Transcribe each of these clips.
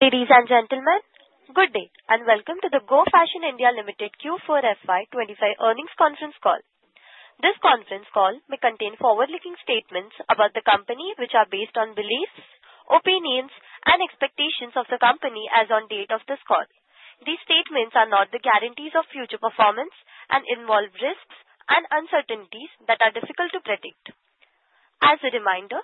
Ladies and gentlemen, good day and welcome to the Go Fashion (India) Limited Q4 FY25 earnings conference call. This conference call may contain forward-looking statements about the company, which are based on beliefs, opinions, and expectations of the company as of the date of this call. These statements are not the guarantees of future performance and involve risks and uncertainties that are difficult to predict. As a reminder,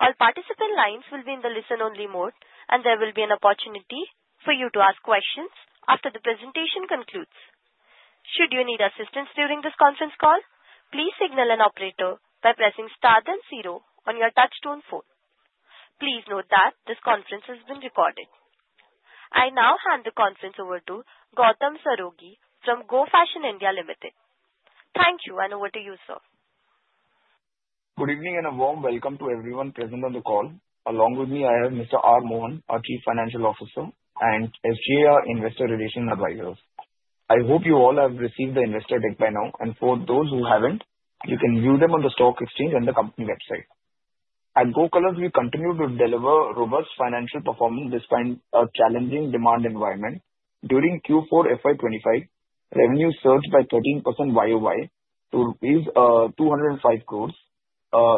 all participant lines will be in the listen-only mode, and there will be an opportunity for you to ask questions after the presentation concludes. Should you need assistance during this conference call, please signal an operator by pressing star then zero on your touch-tone phone. Please note that this conference has been recorded. I now hand the conference over to Gautam Saraogi from Go Fashion (India) Limited. Thank you, and over to you, sir. Good evening and a warm welcome to everyone present on the call. Along with me, I have Mr. R. Mohan, our Chief Financial Officer, and SGA Investor Relations Advisors. I hope you all have received the investor deck by now, and for those who haven't, you can view them on the stock exchange and the company website. At Go Fashion (India), we continue to deliver robust financial performance despite a challenging demand environment. During Q4 FY25, revenue surged by 13% YoY to rupees 205 crore.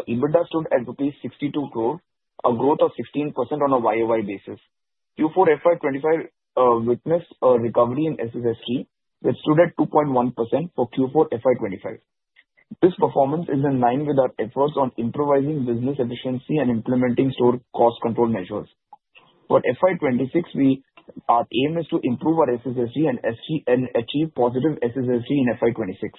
EBITDA stood at rupees 62 crore, a growth of 16% on a YoY basis. Q4 FY25 witnessed a recovery in SSSG, which stood at 2.1% for Q4 FY25. This performance is in line with our efforts on improvising business efficiency and implementing store cost control measures. For FY26, our aim is to improve our SSSG and achieve positive SSSG in FY26.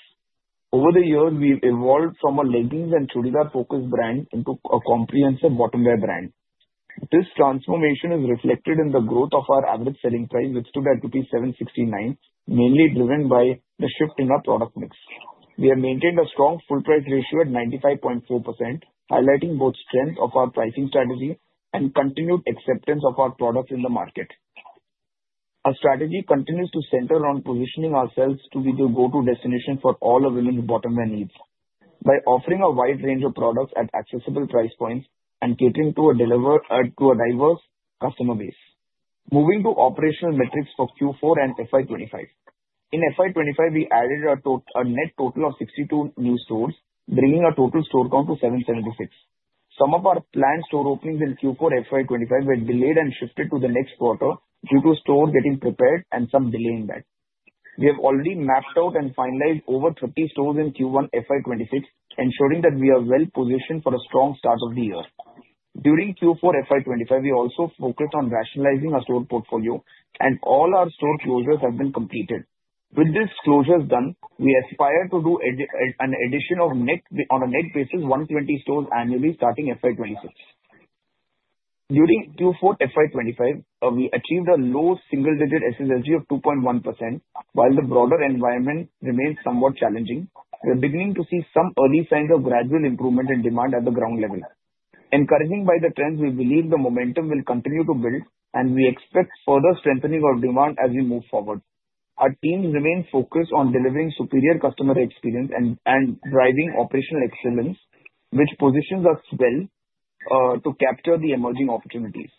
Over the years, we've evolved from a leggings and churidar-focused brand into a comprehensive bottom-wear brand. This transformation is reflected in the growth of our average selling price, which stood at rupees 769, mainly driven by the shift in our product mix. We have maintained a strong full-price ratio at 95.4%, highlighting both strength of our pricing strategy and continued acceptance of our products in the market. Our strategy continues to center on positioning ourselves to be the go-to destination for all women's bottom-wear needs by offering a wide range of products at accessible price points and catering to a diverse customer base. Moving to operational metrics for Q4 and FY 2025, in FY 2025, we added a net total of 62 new stores, bringing our total store count to 776. Some of our planned store openings in Q4 FY25 were delayed and shifted to the next quarter due to stores getting prepared and some delay in that. We have already mapped out and finalized over 30 stores in Q1 FY26, ensuring that we are well-positioned for a strong start of the year. During Q4 FY25, we also focused on rationalizing our store portfolio, and all our store closures have been completed. With these closures done, we aspire to do an addition on a net basis of 120 stores annually starting FY26. During Q4 FY25, we achieved a low single-digit SSSG of 2.1%, while the broader environment remains somewhat challenging. We are beginning to see some early signs of gradual improvement in demand at the ground level. Encouraged by the trends, we believe the momentum will continue to build, and we expect further strengthening of demand as we move forward. Our teams remain focused on delivering superior customer experience and driving operational excellence, which positions us well to capture the emerging opportunities.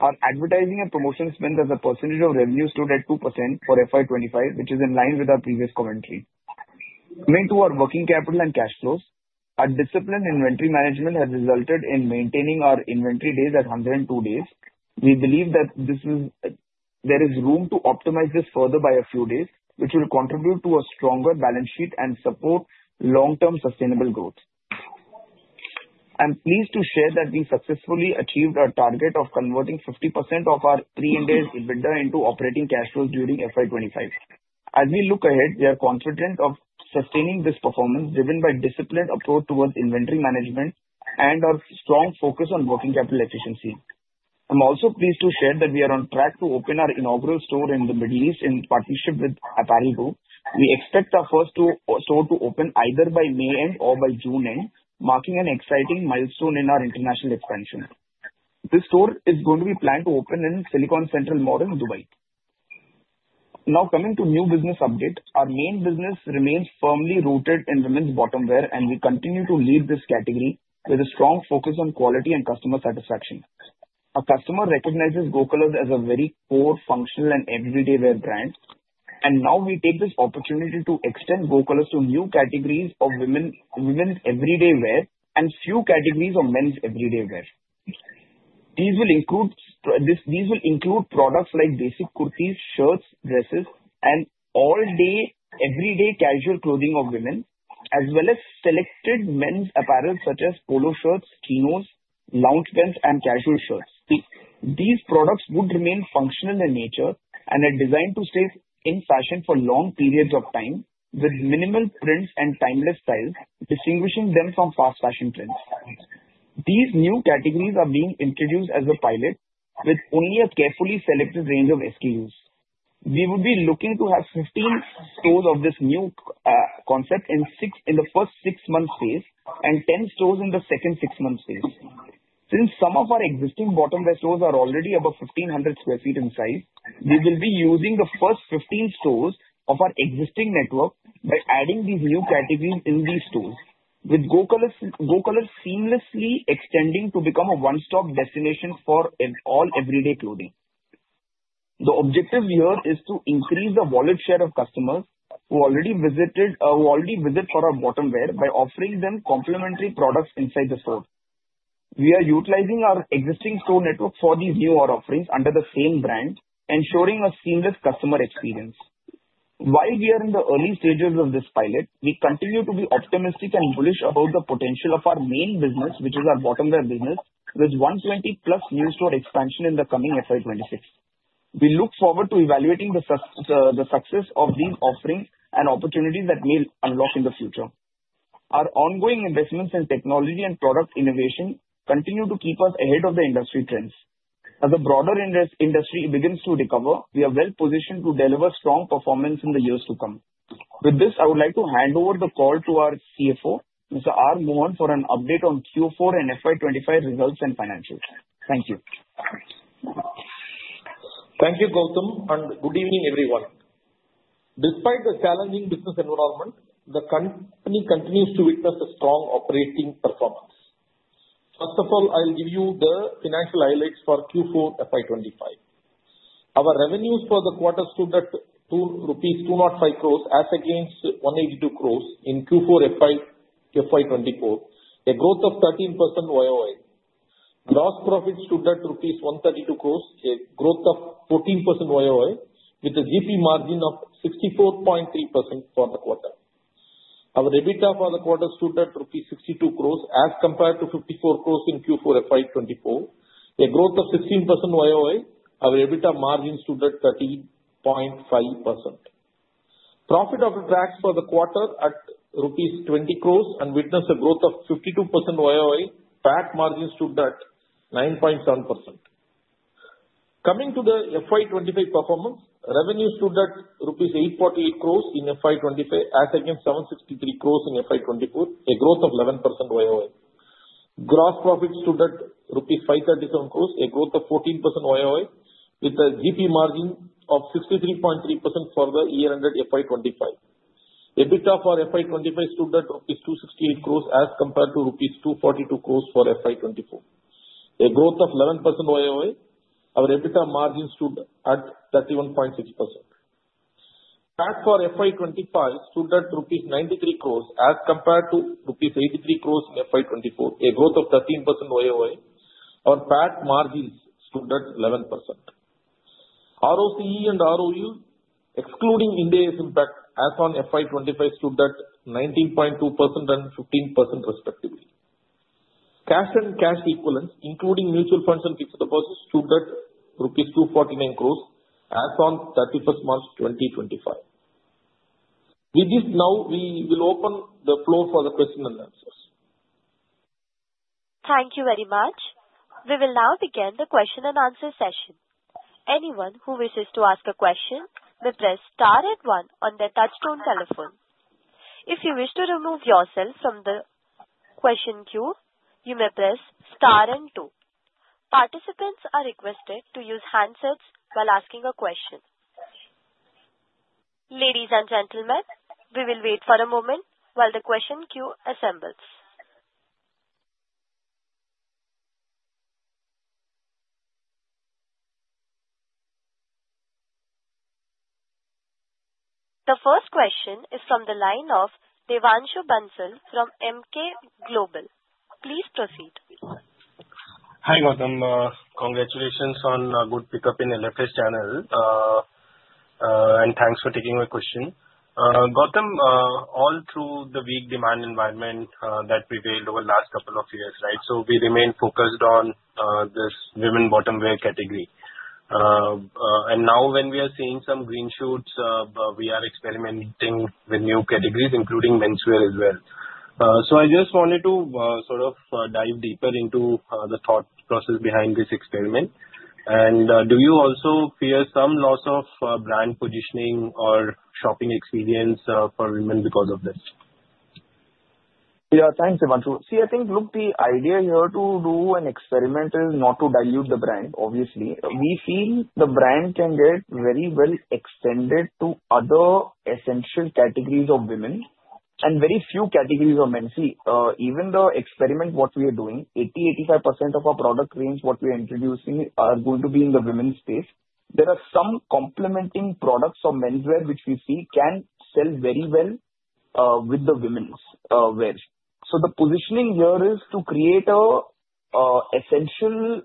Our advertising and promotion spend as a percentage of revenue stood at 2% for FY25, which is in line with our previous commentary. Coming to our working capital and cash flows, our disciplined inventory management has resulted in maintaining our inventory days at 102 days. We believe that there is room to optimize this further by a few days, which will contribute to a stronger balance sheet and support long-term sustainable growth. I'm pleased to share that we successfully achieved our target of converting 50% of our pre-Ind AS EBITDA into operating cash flows during FY25. As we look ahead, we are confident of sustaining this performance driven by a disciplined approach towards inventory management and our strong focus on working capital efficiency. I'm also pleased to share that we are on track to open our inaugural store in the Middle East in partnership with Apparel Group, we expect our first store to open either by May or by June, marking an exciting milestone in our international expansion. This store is going to be planned to open in Silicon Central Mall in Dubai. Now coming to new business update, our main business remains firmly rooted in women's bottomware and we continue to lead this category with a strong focus on quality and customer satisfaction. Our customer recognizes GoColors as a very core, functional, and everyday wear brand, and now we take this opportunity to extend GoColors to new categories of women's everyday wear and few categories of men's everyday wear. These will include products like basic kurtis, shirts, dresses, and all-day, everyday casual clothing of women, as well as selected men's apparel such as polo shirts, chinos, lounge pants, and casual shirts. These products would remain functional in nature and are designed to stay in fashion for long periods of time with minimal prints and timeless styles, distinguishing them from fast fashion trends. These new categories are being introduced as a pilot with only a carefully selected range of SKUs. We would be looking to have 15 stores of this new concept in the first six months' phase and 10 stores in the second six months' phase. Since some of our existing bottom wear stores are already about 1,500 sq ft in size, we will be using the first 15 stores of our existing network by adding these new categories in these stores, with GoColors seamlessly extending to become a one-stop destination for all everyday clothing. The objective here is to increase the wallet share of customers who already visit for our bottom wear by offering them complementary products inside the store. We are utilizing our existing store network for these new offerings under the same brand, ensuring a seamless customer experience. While we are in the early stages of this pilot, we continue to be optimistic and bullish about the potential of our main business, which is our bottom wear business, with 120-plus new store expansion in the coming FY2026. We look forward to evaluating the success of these offerings and opportunities that may unlock in the future. Our ongoing investments in technology and product innovation continue to keep us ahead of the industry trends. As the broader industry begins to recover, we are well-positioned to deliver strong performance in the years to come. With this, I would like to hand over the call to our CFO, Mr. R. Mohan, for an update on Q4 and FY25 results and financials. Thank you. Thank you, Gautam, and good evening, everyone. Despite the challenging business environment, the company continues to witness a strong operating performance. First of all, I'll give you the financial highlights for Q4 FY2025. Our revenues for the quarter stood at 205 rupees as against 182 in Q4 FY2024, a growth of 13% YoY. Gross profit stood at rupees 132, a growth of 14% YoY, with a GP margin of 64.3% for the quarter. Our EBITDA for the quarter stood at rupees 62 as compared to 54 in Q4 FY2024, a growth of 16% YoY. Our EBITDA margin stood at 13.5%. Profit after tax for the quarter at rupees 20 and witnessed a growth of 52% YoY. PAT margin stood at 9.7%. Coming to the FY2025 performance, revenues stood at rupees 848 in FY2025 as against 763 in FY2024, a growth of 11% YoY. Gross profit stood at rupees 537 crore, a growth of 14% YoY, with a GP margin of 63.3% for the year-end at FY25. EBITDA for FY25 stood at rupees 268 crore as compared to rupees 242 crore for FY24, a growth of 11% YoY. Our EBITDA margin stood at 31.6%. PAT for FY25 stood at rupees 93 crore as compared to rupees 83 crore in FY24, a growth of 13% YoY. Our PAT margin stood at 11%. ROCE and ROE, excluding Ind AS impact as on FY25, stood at 19.2% and 15%, respectively. Cash and cash equivalents, including mutual funds and fixed deposits, stood at rupees 249 crore as on 31st March 2025. With this, now we will open the floor for the question and answers. Thank you very much. We will now begin the question and answer session. Anyone who wishes to ask a question may press star and one on their touch-tone telephone. If you wish to remove yourself from the question queue, you may press star and two. Participants are requested to use handsets while asking a question. Ladies and gentlemen, we will wait for a moment while the question queue assembles. The first question is from the line of Devanshu Bansal from MK Global. Please proceed. Hi Gautam. Congratulations on a good pickup in the LFS channel, and thanks for taking my question. Gautam, all through the weak demand environment that prevailed over the last couple of years, right? We remained focused on this women's bottom wear category. Now when we are seeing some green shoots, we are experimenting with new categories, including menswear as well. I just wanted to sort of dive deeper into the thought process behind this experiment. Do you also fear some loss of brand positioning or shopping experience for women because of this? Yeah, thanks, Devanshu. See, I think look, the idea here to do an experiment is not to dilute the brand, obviously. We feel the brand can get very well extended to other essential categories of women and very few categories of men. See, even the experiment what we are doing, 80-85% of our product range what we are introducing are going to be in the women's space. There are some complementing products of menswear which we see can sell very well with the women's wear. The positioning here is to create an essential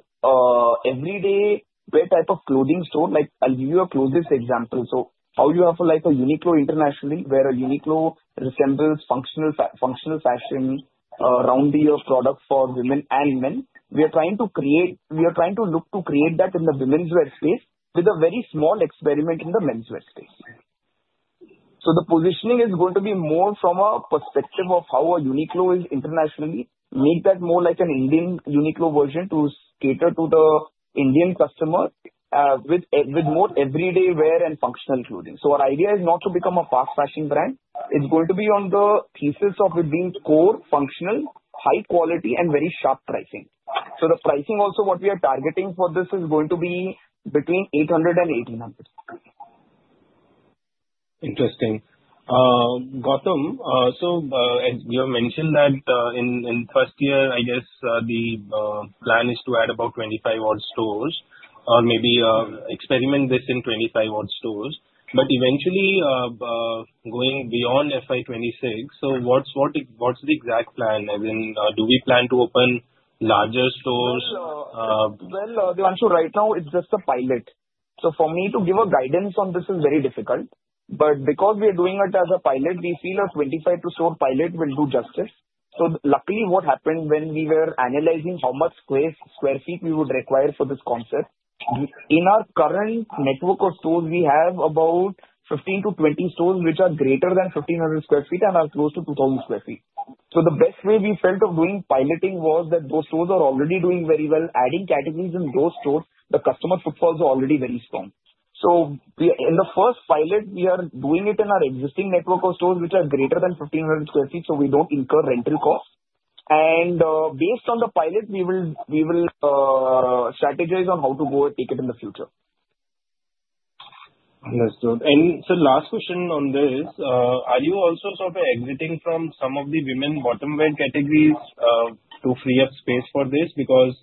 everyday wear type of clothing store. I'll give you a closest example. How you have a Uniqlo internationally where a Uniqlo resembles functional fashion, round-the-year products for women and men. We are trying to create, we are trying to look to create that in the women's wear space with a very small experiment in the men's wear space. The positioning is going to be more from a perspective of how a Uniqlo is internationally, make that more like an Indian Uniqlo version to cater to the Indian customer with more everyday wear and functional clothing. Our idea is not to become a fast fashion brand. It is going to be on the thesis of it being core, functional, high quality, and very sharp pricing. The pricing also, what we are targeting for this, is going to be between 800-1,800. Interesting. Gautam, you have mentioned that in the first year, I guess the plan is to add about 25 odd stores or maybe experiment this in 25 odd stores. Eventually, going beyond FY2026, what is the exact plan? Do we plan to open larger stores? Devanshu, right now it's just a pilot. For me to give a guidance on this is very difficult. Because we are doing it as a pilot, we feel a 25-store pilot will do justice. Luckily, what happened when we were analyzing how much square feet we would require for this concept, in our current network of stores, we have about 15-20 stores which are greater than 1,500 sq ft and are close to 2,000 sq ft. The best way we felt of doing piloting was that those stores are already doing very well. Adding categories in those stores, the customer footfalls are already very strong. In the first pilot, we are doing it in our existing network of stores which are greater than 1,500 sq ft, so we don't incur rental costs. Based on the pilot, we will strategize on how to go and take it in the future. Understood. Last question on this, are you also sort of exiting from some of the women bottom wear categories to free up space for this? Because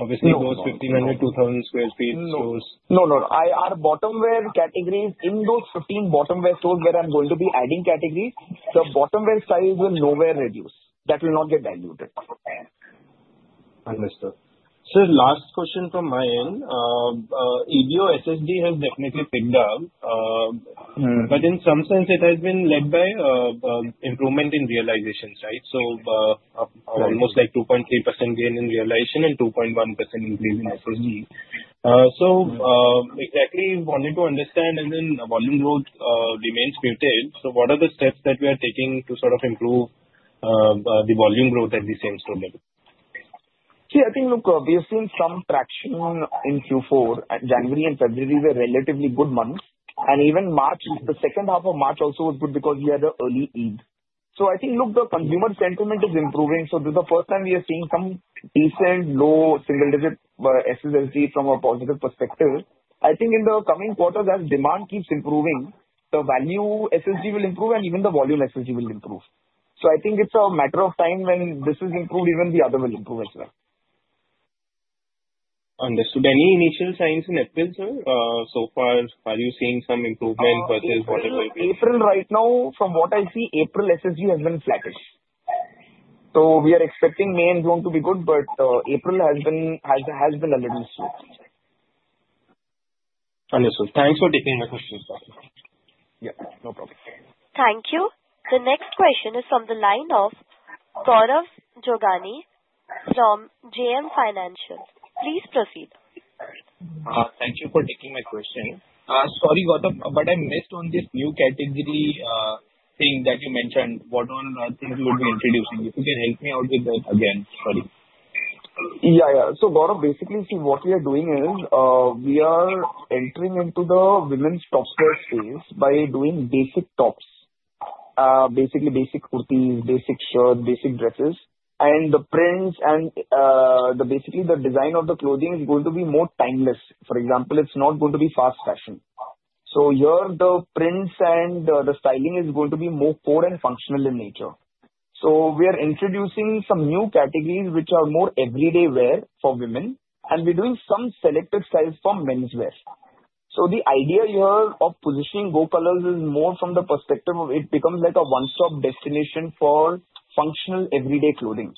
obviously those 1,500 to 2,000 sq ft stores. No, no, no. Our bottom wear categories in those 15 bottom wear stores where I'm going to be adding categories, the bottom wear size will nowhere reduce. That will not get diluted. Understood. Last question from my end. EBO SSG has definitely picked up. In some sense, it has been led by improvement in realizations, right? Almost like 2.3% gain in realization and 2.1% increase in SSG. I wanted to understand, the volume growth remains muted. What are the steps that we are taking to sort of improve the volume growth at the same stores? See, I think look, we have seen some traction in Q4. January and February were relatively good months. Even March, the second half of March also was good because we had an early Eid. I think look, the consumer sentiment is improving. This is the first time we are seeing some decent low single-digit SSG from a positive perspective. I think in the coming quarters, as demand keeps improving, the value SSG will improve and even the volume SSG will improve. I think it is a matter of time when this is improved, even the other will improve as well. Understood. Any initial signs in April, sir? So far, are you seeing some improvement versus whatever? April right now, from what I see, April SSSG has been flattish. We are expecting May and June to be good, but April has been a little slow. Understood. Thanks for taking my questions, Gautam. Yeah, no problem. Thank you. The next question is from the line of Gaurav Jogani from JM Financial. Please proceed. Thank you for taking my question. Sorry, Gautam, but I missed on this new category thing that you mentioned, what are the things you will be introducing? If you can help me out with that again, sorry. Yeah, yeah. Gautam, basically, see what we are doing is we are entering into the women's tops wear space by doing basic tops, basically basic kurtis, basic shirts, basic dresses. The prints and basically the design of the clothing is going to be more timeless. For example, it's not going to be fast fashion. Here, the prints and the styling is going to be more core and functional in nature. We are introducing some new categories which are more everyday wear for women, and we're doing some selected styles for menswear. The idea here of positioning Go Fashion is more from the perspective of it becomes like a one-stop destination for functional everyday clothing.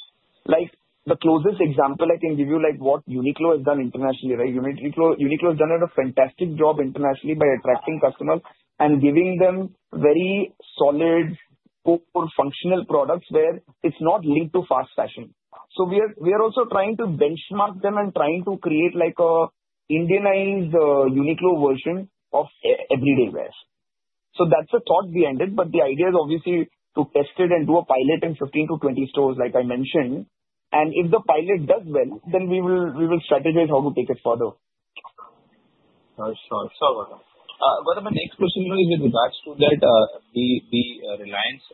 Like the closest example I can give you is what Uniqlo has done internationally, right? Uniqlo has done a fantastic job internationally by attracting customers and giving them very solid, core, functional products where it's not linked to fast fashion. We are also trying to benchmark them and trying to create like an Indianized Uniqlo version of everyday wear. That's the thought behind it. The idea is obviously to test it and do a pilot in 15-20 stores, like I mentioned. If the pilot does well, then we will strategize how to take it further. Sure, Gautam. My next question is with regards to that, the Reliance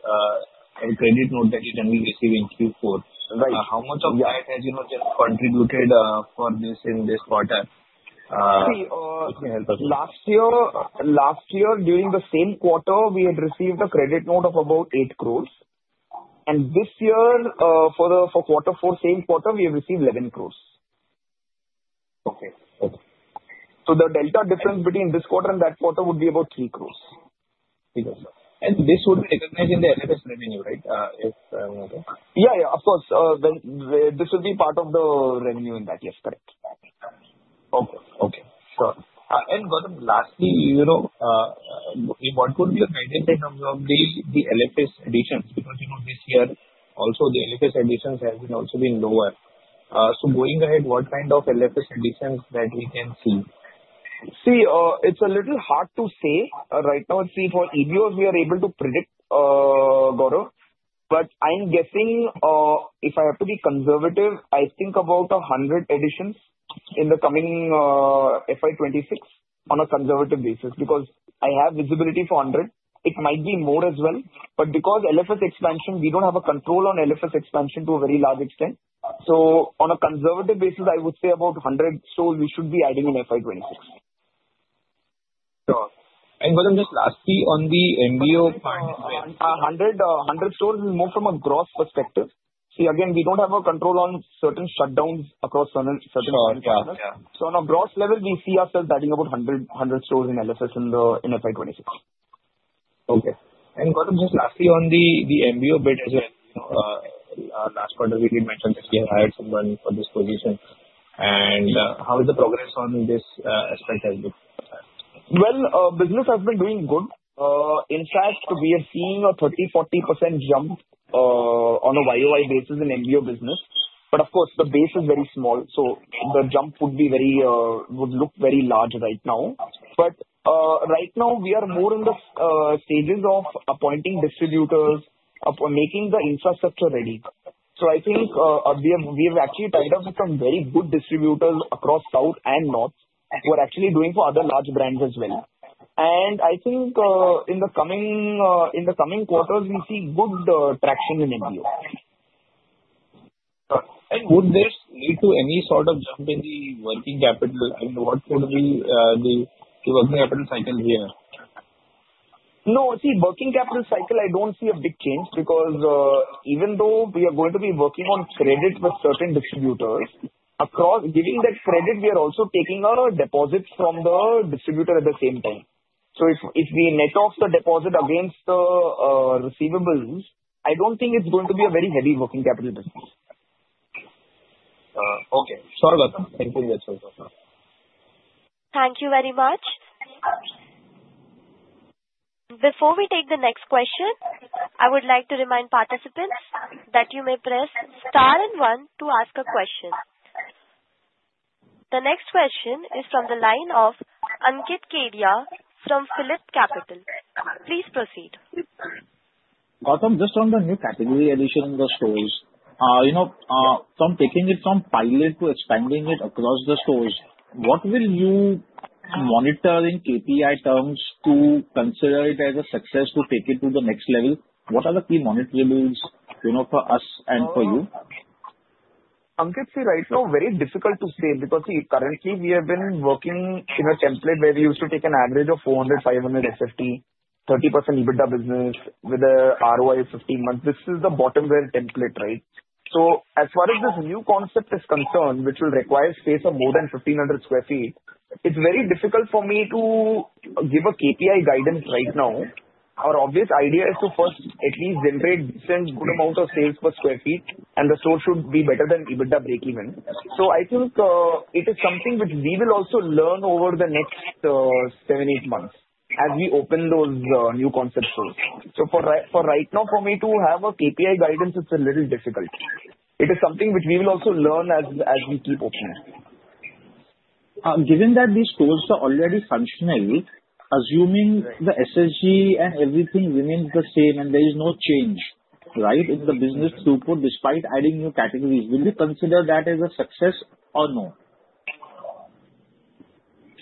and credit note that you generally receive in Q4. How much of that has contributed for this in this quarter? See, last year, during the same quarter, we had received a credit note of about 8 crore. This year, for quarter four, same quarter, we have received 11 crore. Okay. The delta difference between this quarter and that quarter would be about 3 crore. This would be recognized in the LFS revenue, right? Yeah, yeah, of course. This would be part of the revenue in that, yes. Correct. Okay, okay. Sure. Gautam, lastly, what would be your guidance in terms of the LFS additions? Because this year, also the LFS additions have also been lower. Going ahead, what kind of LFS additions that we can see? See, it is a little hard to say right now. See, for EBOs, we are able to predict, Gautam. I am guessing if I have to be conservative, I think about 100 additions in the coming FY2026 on a conservative basis. Because I have visibility for 100. It might be more as well. Because LFS expansion, we do not have a control on LFS expansion to a very large extent. On a conservative basis, I would say about 100 stores we should be adding in FY2026. Sure. Gautam, just lastly, on the MBO part. 100 stores is more from a gross perspective. See, again, we do not have a control on certain shutdowns across certain partners. On a gross level, we see ourselves adding about 100 stores in LFS in FY2026. Okay. Gautam, just lastly, on the MBO bit as well, last quarter, we did mention that we had hired someone for this position. How is the progress on this aspect as well? Business has been doing good. In fact, we are seeing a 30% to 40% jump on a YoY basis in MBO business. Of course, the base is very small, so the jump would look very large right now. Right now, we are more in the stages of appointing distributors, making the infrastructure ready. I think we have actually tied up with some very good distributors across south and north who are actually doing for other large brands as well. I think in the coming quarters, we see good traction in MBO. Would this lead to any sort of jump in the working capital? I mean, what would be the working capital cycle here? No, see, working capital cycle, I do not see a big change because even though we are going to be working on credit with certain distributors, giving that credit, we are also taking a deposit from the distributor at the same time. If we net off the deposit against the receivables, I do not think it is going to be a very heavy working capital business. Okay. Sure, Gautam. Thank you. Thank you very much. Before we take the next question, I would like to remind participants that you may press star and one to ask a question. The next question is from the line of Ankit Kedia from Phillip Capital. Please proceed. Gautam, just on the new category addition in the stores, from taking it from pilot to expanding it across the stores, what will you monitor in KPI terms to consider it as a success to take it to the next level? What are the key monitorables for us and for you? Ankit, see, right now, very difficult to say because currently we have been working in a template where we used to take an average of 400 to 500 sq ft, 30% EBITDA business with an ROI of 15 months. This is the bottom wear template, right? As far as this new concept is concerned, which will require space of more than 1,500 sq ft, it's very difficult for me to give a KPI guidance right now. Our obvious idea is to first at least generate a good amount of sales per sq ft, and the stores should be better than EBITDA breakeven. I think it is something which we will also learn over the next seven-eight months as we open those new concept stores. For right now, for me to have a KPI guidance, it's a little difficult. It is something which we will also learn as we keep opening. Given that these stores are already functional, assuming the SSG and everything remains the same and there is no change, right, in the business throughput despite adding new categories, will you consider that as a success or no?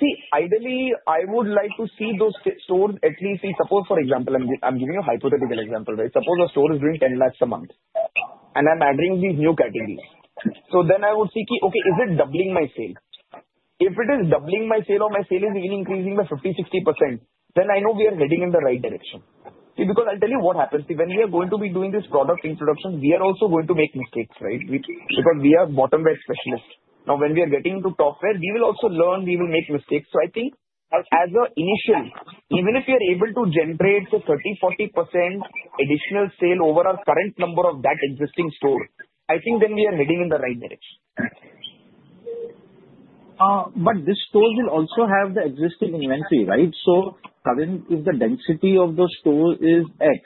See, ideally, I would like to see those stores at least see, suppose, for example, I'm giving you a hypothetical example, right? Suppose a store is doing 1,000,000 a month, and I'm adding these new categories. I would see, okay, is it doubling my sale? If it is doubling my sale or my sale is even increasing by 50% to 60%, then I know we are heading in the right direction. Because I'll tell you what happens. When we are going to be doing this product introduction, we are also going to make mistakes, right? Because we are bottom wear specialists. Now, when we are getting into top wear, we will also learn; we will make mistakes. I think as an initial, even if we are able to generate a 30% to 40% additional sale over our current number of that existing store, I think then we are heading in the right direction. These stores will also have the existing inventory, right? Currently, the density of those stores is X.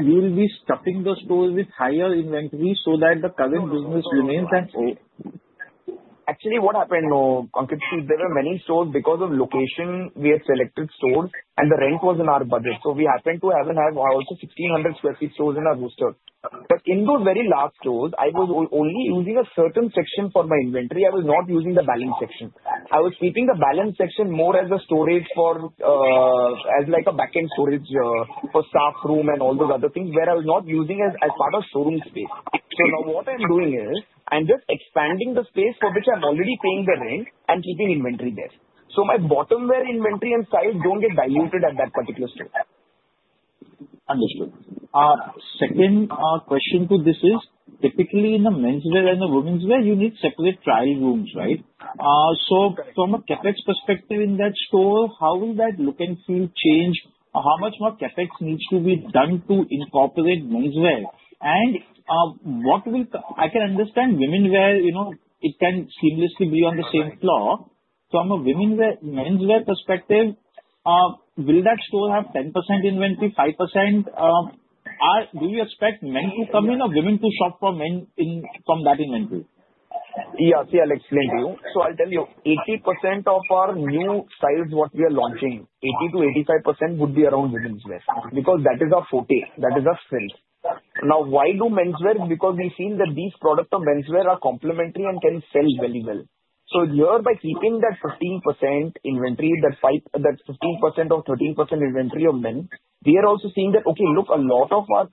You will be stuffing those stores with higher inventory so that the current business remains at O. Actually, what happened, Ankit, see, there were many stores because of location we had selected stores and the rent was in our budget. We happened to have also 1,600 sq ft stores in our booster. In those very last stores, I was only using a certain section for my inventory. I was not using the balance section. I was keeping the balance section more as a storage for as like a backend storage for staff room and all those other things where I was not using as part of showroom space. Now what I am doing is I am just expanding the space for which I am already paying the rent and keeping inventory there. My bottom wear inventory and size do not get diluted at that particular store. Understood. Second question to this is, typically in the menswear and the womenswear, you need separate trial rooms, right? From a Capex perspective in that store, how will that look and feel change? How much more Capex needs to be done to incorporate menswear? I can understand womenswear, it can seamlessly be on the same floor. From a womenswear, menswear perspective, will that store have 10% inventory, 5%? Do you expect men to come in or women to shop for men from that inventory? Yeah, see, I'll explain to you. I'll tell you, 80% of our new size, what we are launching, 80% to 85% would be around women's wear because that is our forte. That is our strength. Now, why do men's wear? We've seen that these products of men's wear are complementary and can sell very well. Here, by keeping that 15% inventory, that 15% or 13% inventory of men, we are also seeing that, okay, look, a lot of our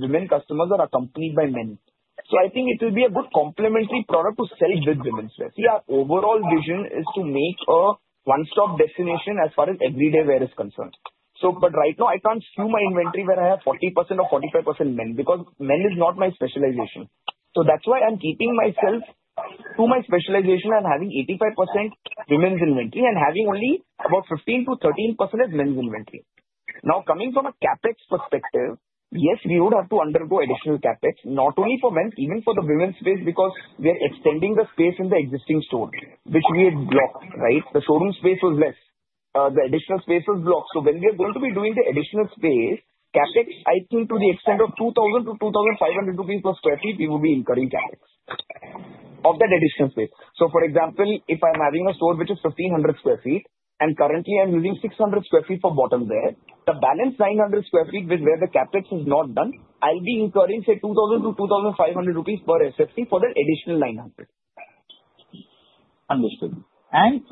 women customers are accompanied by men. I think it will be a good complementary product to sell with women's wear. See, our overall vision is to make a one-stop destination as far as everyday wear is concerned. Right now, I can't skew my inventory where I have 40% or 45% men because men is not my specialization. That's why I'm keeping myself to my specialization and having 85% women's inventory and having only about 15% to 13% as men's inventory. Now, coming from a Capex perspective, yes, we would have to undergo additional Capex, not only for men, even for the women's space because we are extending the space in the existing store, which we had blocked, right? The showroom space was less. The additional space was blocked. When we are going to be doing the additional space, Capex, I think to the extent of 2,000 to 2,500 per sq ft, we will be incurring Capex of that additional space. For example, if I'm having a store which is 1,500 sq ft and currently I'm using 600 sq ft for bottom-wear, the balance 900 sq ft where the Capex is not done, I'll be incurring, say, INR 2,000 to 2,500 per sq ft for the additional 900. Understood.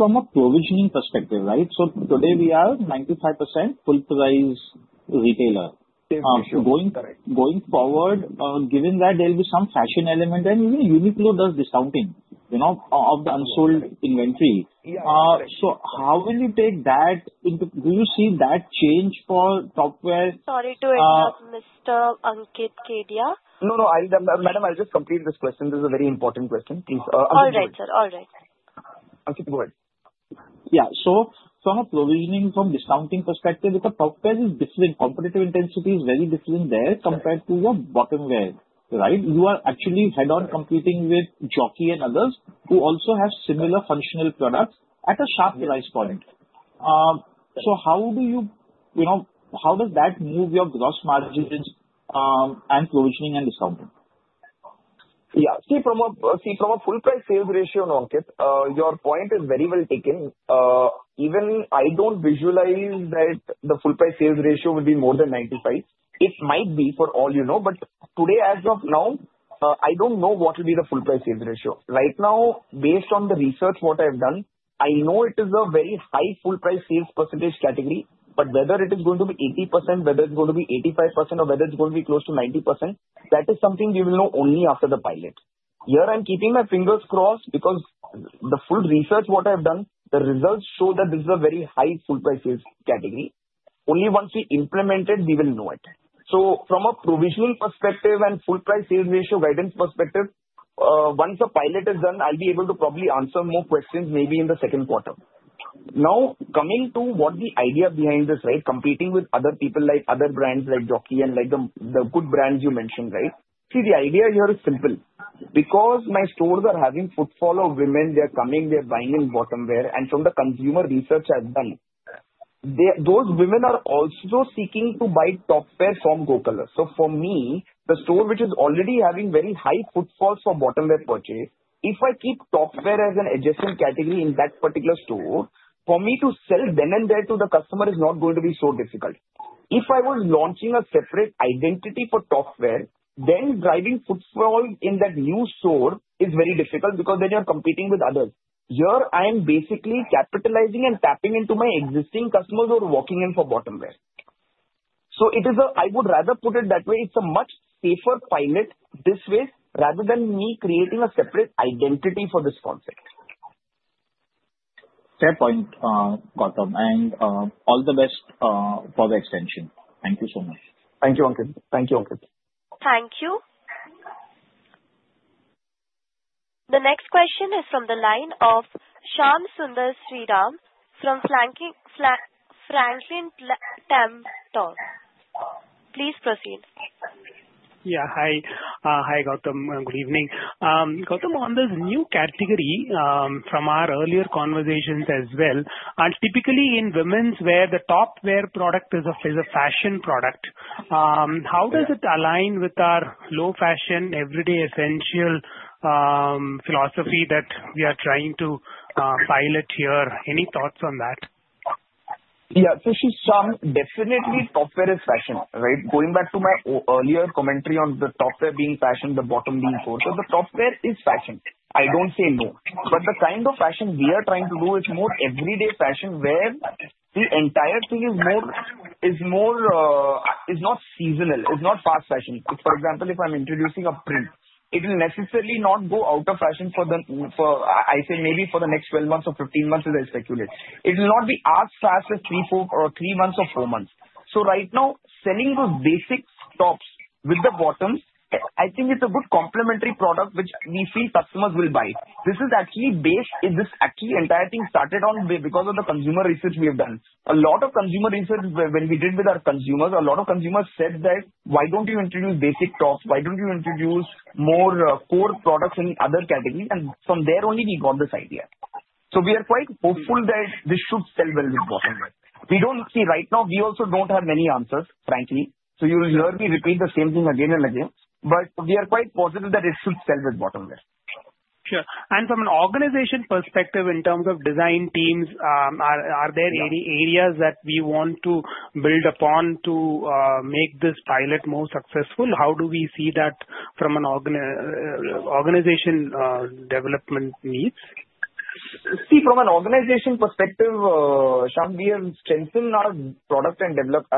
From a provisioning perspective, right? Today we are 95% full-price retailer. Definitely. Going forward, given that there will be some fashion element and even Uniqlo does discounting of the unsold inventory. How will you take that into, do you see that change for top wear? Sorry to interrupt, Mr. Ankit Kedia. No, no, Madam, I'll just complete this question. This is a very important question. Please. All right, sir. All right. Ankit, go ahead. Yeah. From a provisioning, from discounting perspective, the top wear is differing. Competitive intensity is very different there compared to your bottom wear, right? You are actually head-on competing with Jockey and others who also have similar functional products at a sharp price point. How do you, how does that move your gross margins and provisio ning and discounting? Yeah. See, from a full-price sales ratio, Ankit, your point is very well taken. Even I don't visualize that the full-price sales ratio would be more than 95%. It might be for all, but today, as of now, I don't know what will be the full-price sales ratio. Right now, based on the research what I've done, I know it is a very high full-price sales percentage category. Whether it is going to be 80%, whether it's going to be 85%, or whether it's going to be close to 90%, that is something we will know only after the pilot. Here, I'm keeping my fingers crossed because the full research what I've done, the results show that this is a very high full-price sales category. Only once we implement it, we will know it. From a provisioning perspective and full-price sales ratio guidance perspective, once the pilot is done, I'll be able to probably answer more questions maybe in the second quarter. Now, coming to what the idea behind this, right, competing with other people like other brands like Jockey and the good brands you mentioned, right? See, the idea here is simple. Because my stores are having footfall of women, they're coming, they're buying in bottom wear, and from the consumer research I've done, those women are also seeking to buy top wear from GoColors. For me, the store which is already having very high footfalls for bottom wear purchase, if I keep top wear as an adjacent category in that particular store, for me to sell then and there to the customer is not going to be so difficult. If I was launching a separate identity for top wear, then driving footfall in that new store is very difficult because then you're competing with others. Here, I am basically capitalizing and tapping into my existing customers who are walking in for bottom wear. I would rather put it that way. It's a much safer pilot this way rather than me creating a separate identity for this concept. Fair point, Gautam. All the best for the extension. Thank you so much. Thank you, Ankit. Thank you. The next question is from the line of Shyam Sundar Sridhar from Franklin Templeton. Please proceed. Yeah. Hi, Gautam. Good evening. Gautam, on this new category from our earlier conversations as well, typically in women's wear, the top wear product is a fashion product. How does it align with our low-fashion, everyday essential philosophy that we are trying to pilot here? Any thoughts on that? Yeah. See, Shyam, definitely top wear is fashion, right? Going back to my earlier commentary on the top wear being fashion, the bottom being so. The top wear is fashion. I do not say no. The kind of fashion we are trying to do is more everyday fashion where the entire thing is not seasonal, is not fast fashion. For example, if I am introducing a print, it will necessarily not go out of fashion for, I say, maybe for the next 12 months or 15 months, as I speculate. It will not be as fast as three months or four months. Right now, selling those basic tops with the bottoms, I think it is a good complementary product which we feel customers will buy. This actually started because of the consumer research we have done. A lot of consumer research when we did with our consumers, a lot of consumers said that, "Why don't you introduce basic tops? Why don't you introduce more core products in other categories?" From there only we got this idea. We are quite hopeful that this should sell well with bottom wear. See, right now, we also don't have many answers, frankly. You'll hear me repeat the same thing again and again. We are quite positive that it should sell with bottom wear. Sure. From an organization perspective, in terms of design teams, are there any areas that we want to build upon to make this pilot more successful? How do we see that from an organization development needs? See, from an organization perspective, Shyam, we have strengthened our product and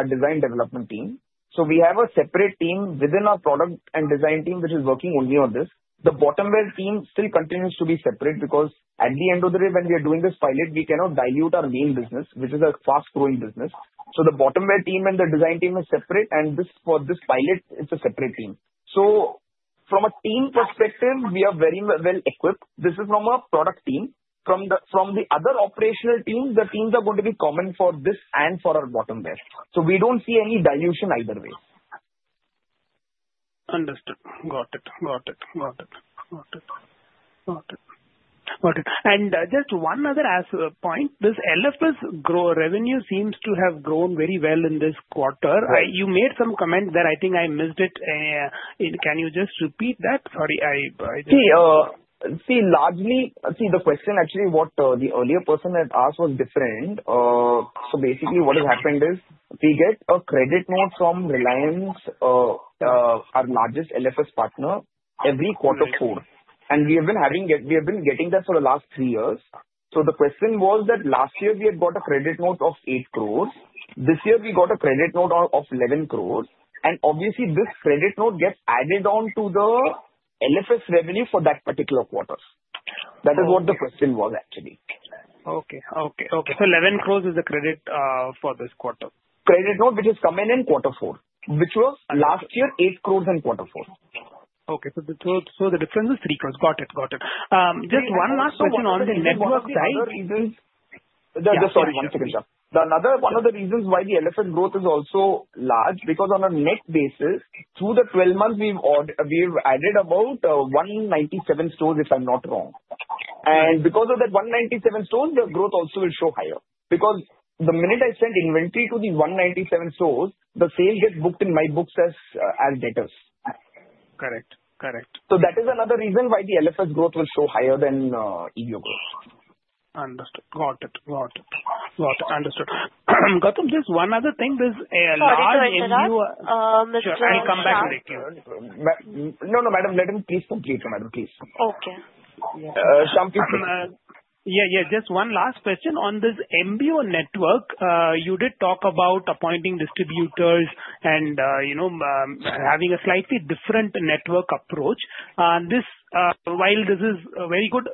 design development team. We have a separate team within our product and design team which is working only on this. The bottom wear team still continues to be separate because at the end of the day, when we are doing this pilot, we cannot dilute our main business, which is a fast-growing business. The bottom wear team and the design team are separate, and for this pilot, it is a separate team. From a team perspective, we are very well equipped. This is from a product team. From the other operational teams, the teams are going to be common for this and for our bottom wear. We do not see any dilution either way. Understood. Got it. Got it. Got it. Got it. Got it. Got it. Just one other point. This LFS revenue seems to have grown very well in this quarter. You made some comment that I think I missed. Can you just repeat that? Sorry, I did not. See, largely, the question actually what the earlier person had asked was different. Basically, what has happened is we get a credit note from Reliance, our largest LFS partner, every quarter four. We have been getting that for the last three years. The question was that last year we had got a credit note of 8 crore. This year we got a credit note of 11 crore. Obviously, this credit note gets added on to the LFS revenue for that particular quarter. That is what the question was, actually. Okay. Okay. Okay. 11 crore is the credit for this quarter. Credit note which has come in in quarter four, which was last year 8 crore in quarter four. Okay. The difference is 3 crore. Got it. Got it. Just one last question on the network side. The other reason, sorry, one second, Shyam. One of the reasons why the LFS growth is also large is because on a net basis, through the 12 months, we've added about 197 stores, if I'm not wrong. Because of that 197 stores, the growth also will show higher. The minute I send inventory to these 197 stores, the sale gets booked in my books as debtors. Correct. Correct. That is another reason why the LFS growth will show higher than EBO growth. Understood. Got it. Got it. Got it. Understood. Gautam, just one other thing. Sorry to interrupt. Mr. I'll come back directly. No, no, Madam, please complete, Madam. Please. Okay. Yeah. Just one last question. On this MBO network, you did talk about appointing distributors and having a slightly different network approach. While this is very good,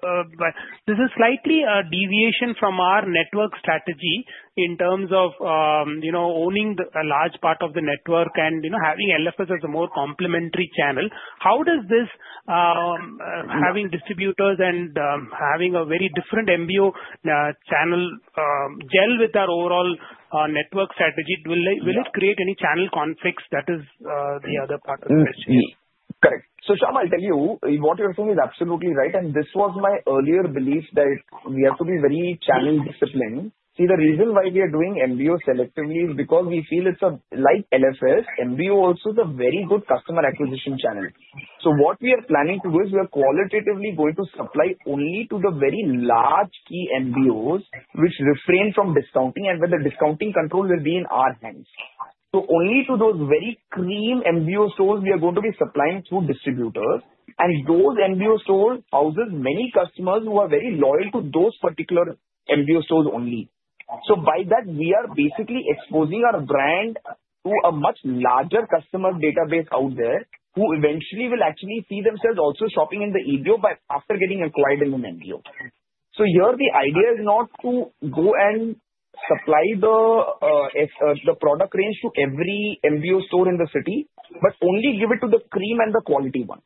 this is slightly a deviation from our network strategy in terms of owning a large part of the network and having LFS as a more complementary channel. How does this having distributors and having a very different MBO channel gel with our overall network strategy? Will it create any channel conflicts? That is the other part of the question. Correct. Shyam, I'll tell you, what you're saying is absolutely right. This was my earlier belief that we have to be very channel disciplined. See, the reason why we are doing MBO selectively is because we feel it's like LFS, MBO also is a very good customer acquisition channel. What we are planning to do is we are qualitatively going to supply only to the very large key MBOs which refrain from discounting and where the discounting control will be in our hands. Only to those very cream MBO stores we are going to be supplying through distributors. Those MBO stores house many customers who are very loyal to those particular MBO stores only. By that, we are basically exposing our brand to a much larger customer database out there who eventually will actually see themselves also shopping in the EBO after getting acquired in an MBO. Here, the idea is not to go and supply the product range to every MBO store in the city, but only give it to the cream and the quality ones.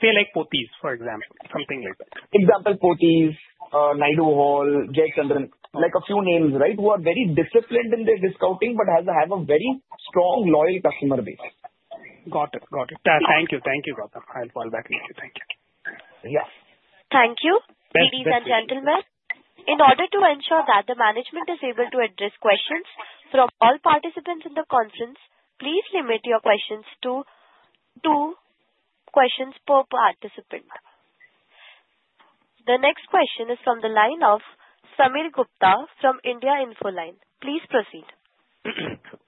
Say like Pothys, for example, something like that. Example, Pothys, Naidu Hall, Jayachandran, like a few names, right, who are very disciplined in their discounting but have a very strong, loyal customer base. Got it. Got it. Thank you. Thank you, Gautam. I'll fall back with you. Thank you. Yeah. Thank you. Ladies and gentlemen, in order to ensure that the management is able to address questions from all participants in the conference, please limit your questions to two questions per participant. The next question is from the line of Sameer Gupta from India Infoline. Please proceed.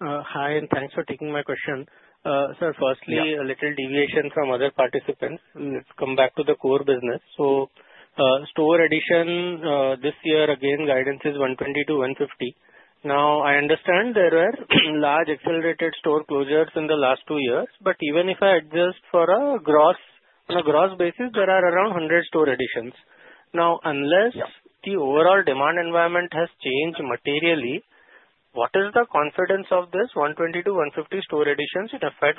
Hi, and thanks for taking my question. Sir, firstly, a little deviation from other participants. Let's come back to the core business. Store addition this year, again, guidance is 120 to 150. Now, I understand there were large accelerated store closures in the last two years. Even if I adjust for a gross basis, there are around 100 store additions. Unless the overall demand environment has changed materially, what is the confidence of this 120 to 150 store additions in FY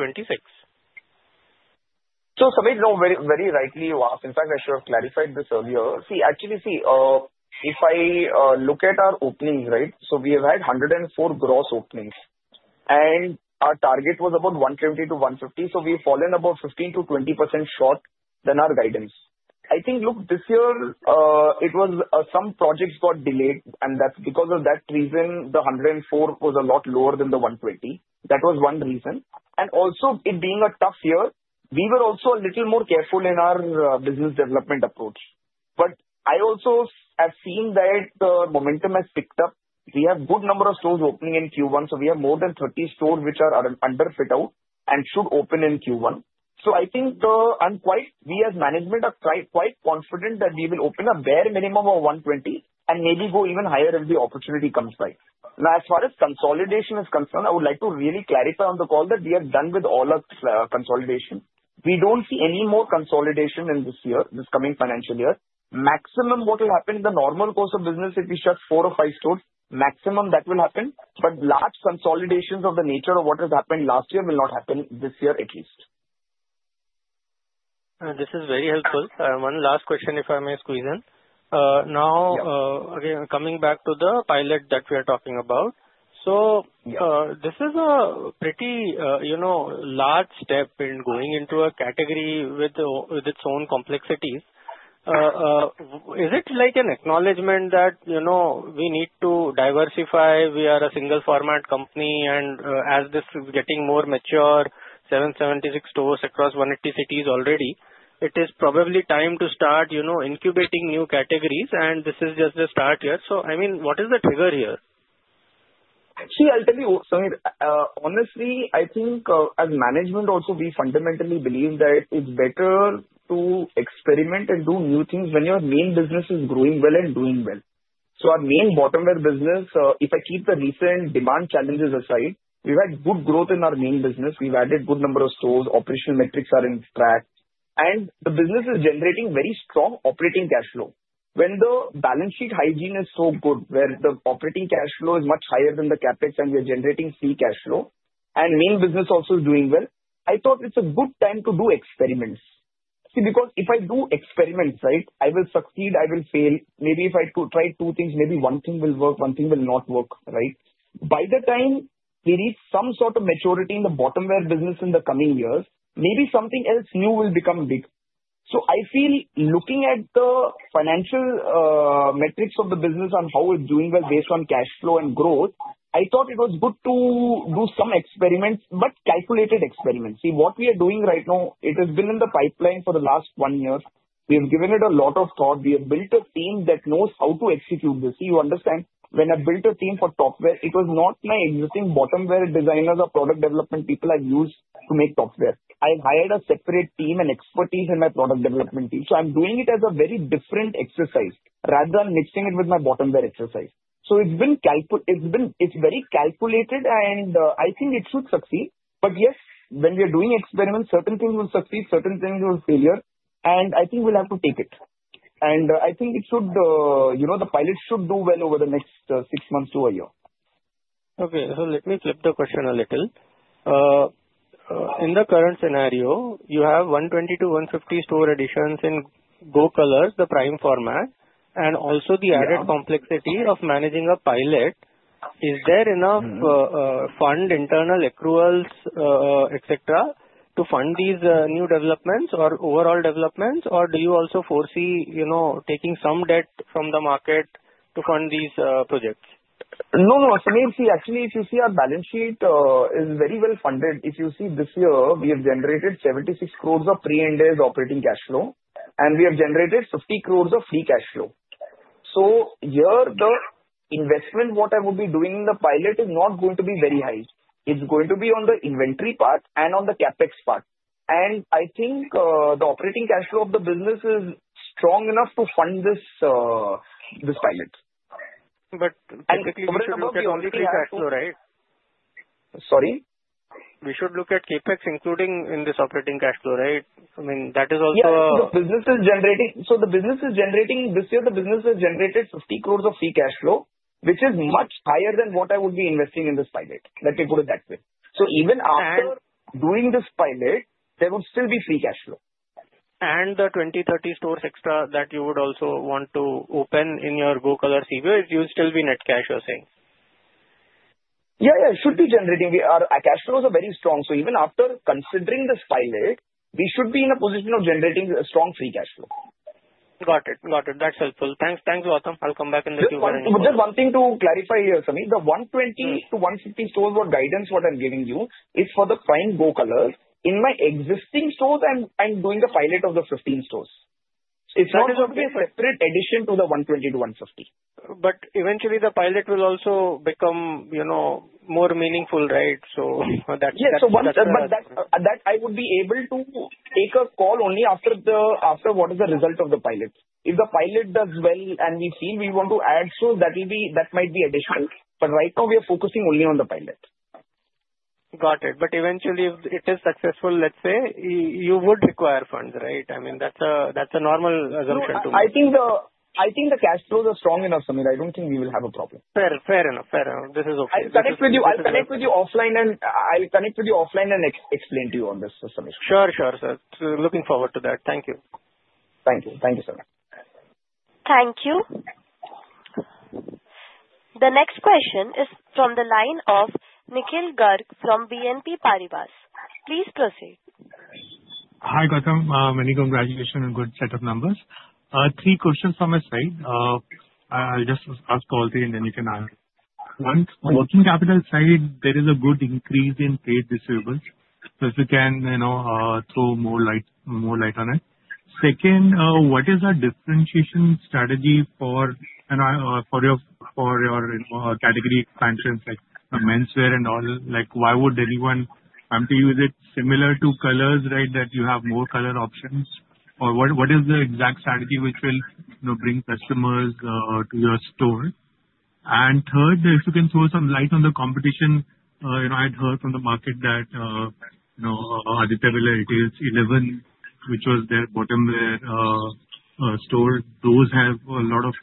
2026? Sameer, very rightly you asked. In fact, I should have clarified this earlier. Actually, if I look at our openings, right, we have had 104 gross openings. Our target was about 120 to 150. We have fallen about 15% to 20% short than our guidance. I think this year, some projects got delayed. Because of that reason, the 104 was a lot lower than the 120. That was one reason. Also, it being a tough year, we were a little more careful in our business development approach. I have also seen that the momentum has picked up. We have a good number of stores opening in Q1. We have more than 30 stores which are under fit-out and should open in Q1. I think we as management are quite confident that we will open a bare minimum of 120 and maybe go even higher if the opportunity comes right. Now, as far as consolidation is concerned, I would like to really clarify on the call that we are done with all of consolidation. We do not see any more consolidation in this year, this coming financial year. Maximum what will happen in the normal course of business if we shut four or five stores, maximum that will happen. Large consolidations of the nature of what has happened last year will not happen this year at least. This is very helpful. One last question, if I may squeeze in. Now, again, coming back to the pilot that we are talking about. This is a pretty large step in going into a category with its own complexities. Is it like an acknowledgment that we need to diversify? We are a single-format company. As this is getting more mature, 776 stores across 180 cities already, it is probably time to start incubating new categories. This is just the start here. I mean, what is the trigger here? See, I'll tell you. Sameer, honestly, I think as management also, we fundamentally believe that it's better to experiment and do new things when your main business is growing well and doing well. Our main bottom wear business, if I keep the recent demand challenges aside, we've had good growth in our main business. We've added a good number of stores. Operational metrics are in track. The business is generating very strong operating cash flow. When the balance sheet hygiene is so good where the operating cash flow is much higher than the CapEx and we are generating free cash flow and main business also is doing well, I thought it's a good time to do experiments. See, because if I do experiments, right, I will succeed, I will fail. Maybe if I try two things, maybe one thing will work, one thing will not work, right? By the time we reach some sort of maturity in the bottom wear business in the coming years, maybe something else new will become big. I feel looking at the financial metrics of the business and how it's doing well based on cash flow and growth, I thought it was good to do some experiments, but calculated experiments. See, what we are doing right now, it has been in the pipeline for the last one year. We have given it a lot of thought. We have built a team that knows how to execute this. You understand, when I built a team for top wear, it was not my existing bottom wear designers or product development people I used to make top wear. I hired a separate team and expertise in my product development team. I'm doing it as a very different exercise rather than mixing it with my bottom wear exercise. It's very calculated, and I think it should succeed. Yes, when we are doing experiments, certain things will succeed, certain things will failure. I think we'll have to take it. I think the pilot should do well over the next six months to a year. Okay. Let me flip the question a little. In the current scenario, you have 120 to 150 store additions in Go Colors, the prime format, and also the added complexity of managing a pilot. Is there enough fund, internal accruals, etc., to fund these new developments or overall developments? Or do you also foresee taking some debt from the market to fund these projects? No, no. Actually, if you see, our balance sheet is very well funded. If you see, this year, we have generated 76 crore of pre-ended operating cash flow. And we have generated 50 crore of free cash flow. Here, the investment what I will be doing in the pilot is not going to be very high. It is going to be on the inventory part and on the Capex part. I think the operating cash flow of the business is strong enough to fund this pilot. Typically, CapEx is the only free cash flow, right? Sorry? We should look at CapEx included in this operating cash flow, right? I mean, that is also a. Yeah. The business is generating this year, the business has generated 50 crore of free cash flow, which is much higher than what I would be investing in this pilot. Let me put it that way. Even after doing this pilot, there would still be free cash flow. The 20 to 30 stores extra that you would also want to open in your Go Fashion EBO, it will still be net cash, you're saying? Yeah, yeah. It should be generating. Our cash flow is very strong. Even after considering this pilot, we should be in a position of generating a strong free cash flow. Got it. Got it. That's helpful. Thanks, Gautam. I'll come back in the Q&A. Just one thing to clarify here, Sameer. The 120 to 150 stores were guidance. What I'm giving you is for the prime Go Colors. In my existing stores, I'm doing the pilot of the 15 stores. It's not going to be a separate addition to the 120 to 150. Eventually, the pilot will also become more meaningful, right? That's just. Yeah. That I would be able to take a call only after what is the result of the pilot. If the pilot does well and we feel we want to add stores, that might be additional. Right now, we are focusing only on the pilot. Got it. Eventually, if it is successful, let's say, you would require funds, right? I mean, that's a normal assumption to me. I think the cash flows are strong enough, Sameer. I don't think we will have a problem. Fair. Fair enough. Fair enough. This is okay. I'll connect with you offline and explain to you on this, Sameer. Sure, sure, sir. Looking forward to that. Thank you. Thank you. Thank you so much. Thank you. The next question is from the line of Nikhil Garg from BNP Paribas. Please proceed. Hi, Gautam. Many congratulations and good set of numbers. Three questions from my side. I'll just ask all three, and then you can answer. One, on the working capital side, there is a good increase in paid distributors. If you can throw more light on it. Second, what is the differentiation strategy for your category expansions like menswear and all? Why would anyone come to you? Is it similar to colors, right, that you have more color options? Or what is the exact strategy which will bring customers to your store? Third, if you can throw some light on the competition. I'd heard from the market that Aditya Birla's Elleven, which was their bottom wear store, those have, a lot of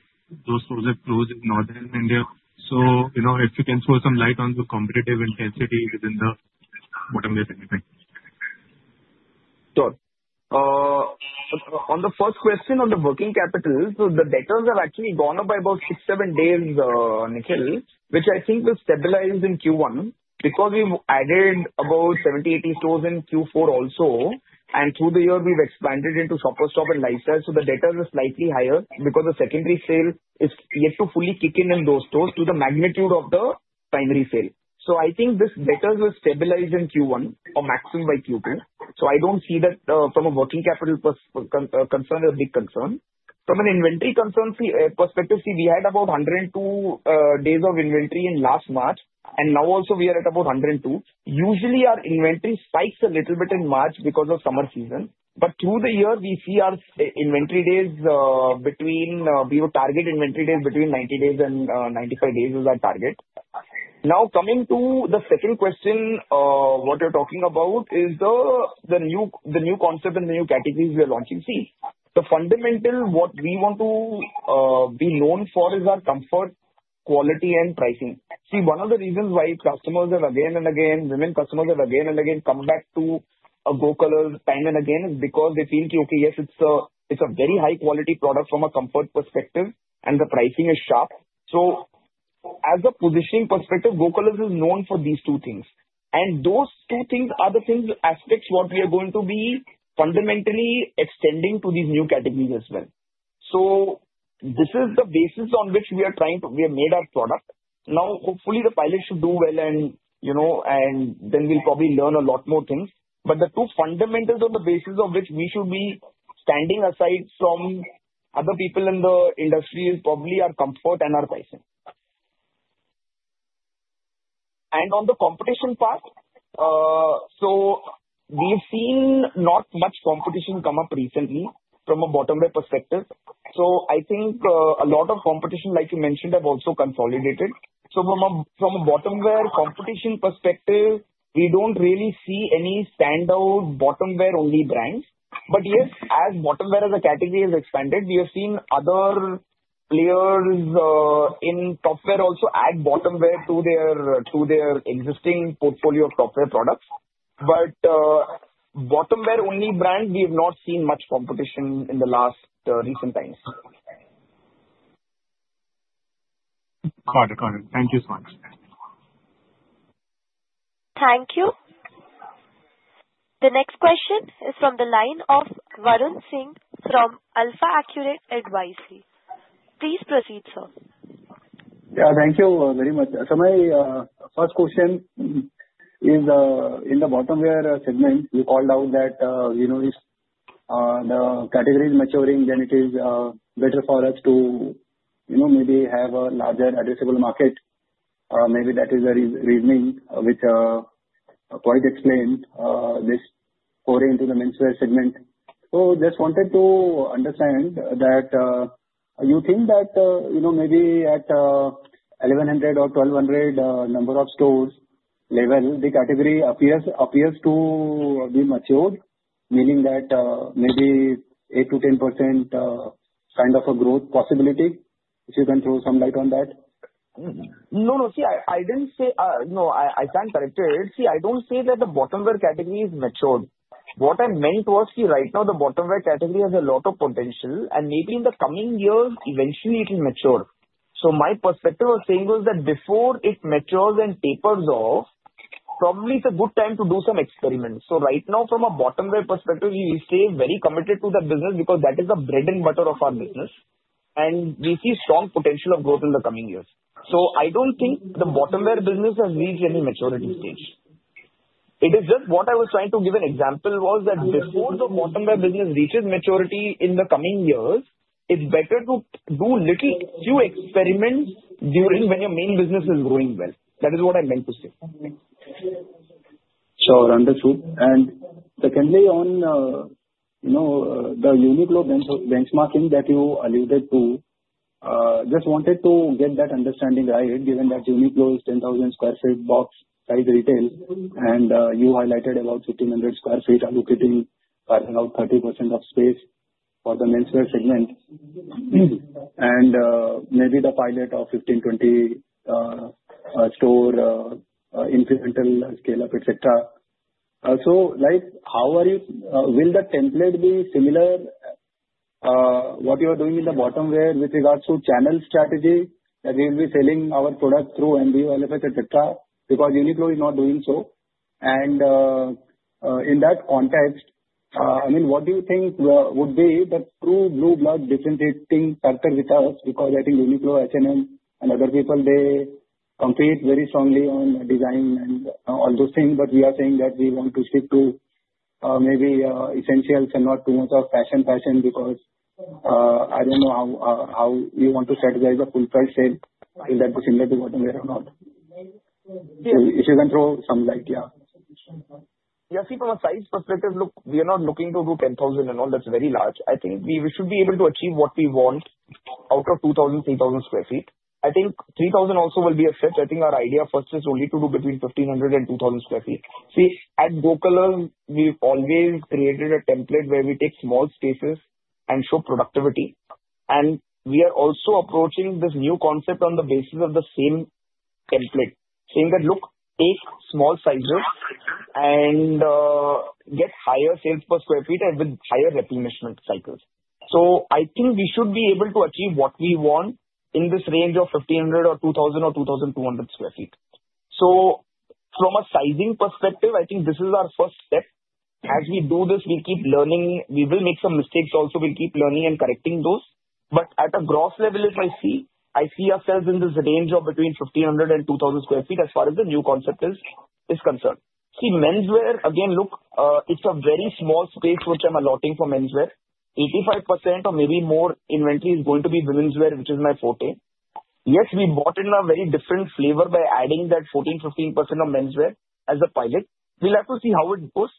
those stores have closed in northern India. If you can throw some light on the competitive intensity within the bottom wear segment. Sure. On the first question on the working capital, the debtors have actually gone up by about six-seven days, Nikhil, which I think will stabilize in Q1 because we've added about 70-80 stores in Q4 also. Through the year, we've expanded into Shoppers Stop and Lifestyle. The debtors are slightly higher because the secondary sale is yet to fully kick in in those stores to the magnitude of the primary sale. I think this debtors will stabilize in Q1 or maximum by Q2. I don't see that from a working capital concern, a big concern. From an inventory concern perspective, we had about 102 days of inventory in last March. Now also, we are at about 102. Usually, our inventory spikes a little bit in March because of summer season. Through the year, we see our inventory days between, we would target inventory days between 90 days and 95 days is our target. Now, coming to the second question, what you're talking about is the new concept and the new categories we are launching. See, the fundamental what we want to be known for is our comfort, quality, and pricing. One of the reasons why customers have again and again, women customers have again and again come back to Go Colors time and again is because they feel, okay, yes, it's a very high-quality product from a comfort perspective, and the pricing is sharp. As a positioning perspective, Go Colors is known for these two things. Those two things are the things, aspects what we are going to be fundamentally extending to these new categories as well. This is the basis on which we are trying to, we have made our product. Now, hopefully, the pilot should do well, and then we'll probably learn a lot more things. The two fundamentals on the basis of which we should be standing aside from other people in the industry is probably our comfort and our pricing. On the competition part, we've seen not much competition come up recently from a bottom wear perspective. I think a lot of competition, like you mentioned, have also consolidated. From a bottom wear competition perspective, we don't really see any standout bottom wear-only brands. Yes, as bottom wear as a category has expanded, we have seen other players in top wear also add bottom wear to their existing portfolio of top wear products. Bottom wear-only brands, we have not seen much competition in the recent times. Got it. Got it. Thank you so much. Thank you. The next question is from the line of Varun Singh from AlfAccurate Advisory. Please proceed, sir. Yeah. Thank you very much. My first question is in the bottom wear segment, you called out that if the category is maturing, then it is better for us to maybe have a larger addressable market. Maybe that is the reasoning which quite explained this pouring into the menswear segment. Just wanted to understand that you think that maybe at 1,100 or 1,200 number of stores level, the category appears to be matured, meaning that maybe 8% to 10% kind of a growth possibility. If you can throw some light on that. No, no. See, I did not say no, I cannot correct it. See, I do not say that the bottom wear category is matured. What I meant was, see, right now, the bottom wear category has a lot of potential. Maybe in the coming years, eventually, it will mature. My perspective of saying was that before it matures and tapers off, probably it's a good time to do some experiments. Right now, from a bottom wear perspective, we stay very committed to that business because that is the bread and butter of our business. We see strong potential of growth in the coming years. I don't think the bottom wear business has reached any maturity stage. What I was trying to give an example was that before the bottom wear business reaches maturity in the coming years, it's better to do a few experiments when your main business is growing well. That is what I meant to say. Sure. Understood. Secondly, on the Uniqlo benchmarking that you alluded to, just wanted to get that understanding right, given that Uniqlo is 10,000 sq ft box-sized retail. You highlighted about 1,500 sq ft allocating, carving out 30% of space for the menswear segment. Maybe the pilot of 15-20 store incremental scale-up, etc. How will the template be similar? What you are doing in the bottom-wear with regards to channel strategy, that we will be selling our product through MBO, LFS, etc., because Uniqlo is not doing so. In that context, what do you think would be the true blue blood differentiating factor with us? I think Uniqlo, H&M, and other people, they compete very strongly on design and all those things. We are saying that we want to stick to maybe essentials and not too much of fashion-fashion because I don't know how you want to strategize a full-fledged sale. Is that similar to bottom wear or not? If you can throw some light, yeah. Yeah. See, from a size perspective, look, we are not looking to do 10,000 and all. That's very large. I think we should be able to achieve what we want out of 2,000 to 3,000 sq ft. I think 3,000 also will be a fit. I think our idea first is only to do between 1,500 and 2,000 sq ft. See, at Go Fashion, we've always created a template where we take small spaces and show productivity. We are also approaching this new concept on the basis of the same template, saying that, look, take small sizes and get higher sales per sq ft with higher replenishment cycles. I think we should be able to achieve what we want in this range of 1,500 or 2,000 or 2,200 sq ft. From a sizing perspective, I think this is our first step. As we do this, we keep learning. We will make some mistakes also. We'll keep learning and correcting those. At a gross level, if I see, I see ourselves in this range of between 1,500 and 2,000 sq ft as far as the new concept is concerned. See, menswear, again, look, it's a very small space which I'm allotting for menswear. 85% or maybe more inventory is going to be women's wear, which is my forte. Yes, we brought in a very different flavor by adding that 14 to 15% of menswear as a pilot. We'll have to see how it goes.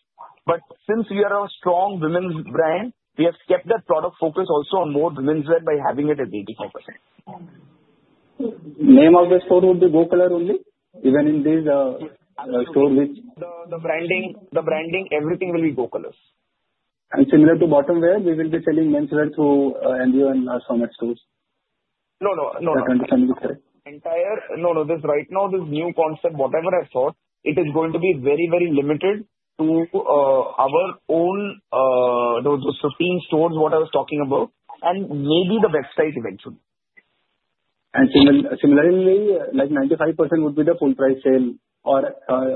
Since we are a strong women's brand, we have kept that product focus also on more women's wear by having it at 85%. Name of the store would be Go Color only? Even in this store which. The branding, everything will be Go Colors. Similar to bottom-wear, we will be selling menswear through EBO and large format stores? No, no. No, no. This right now, this new concept, whatever I thought, it is going to be very, very limited to our own 15 stores, what I was talking about, and maybe the website eventually. Similarly, like 95% would be the full price sale, or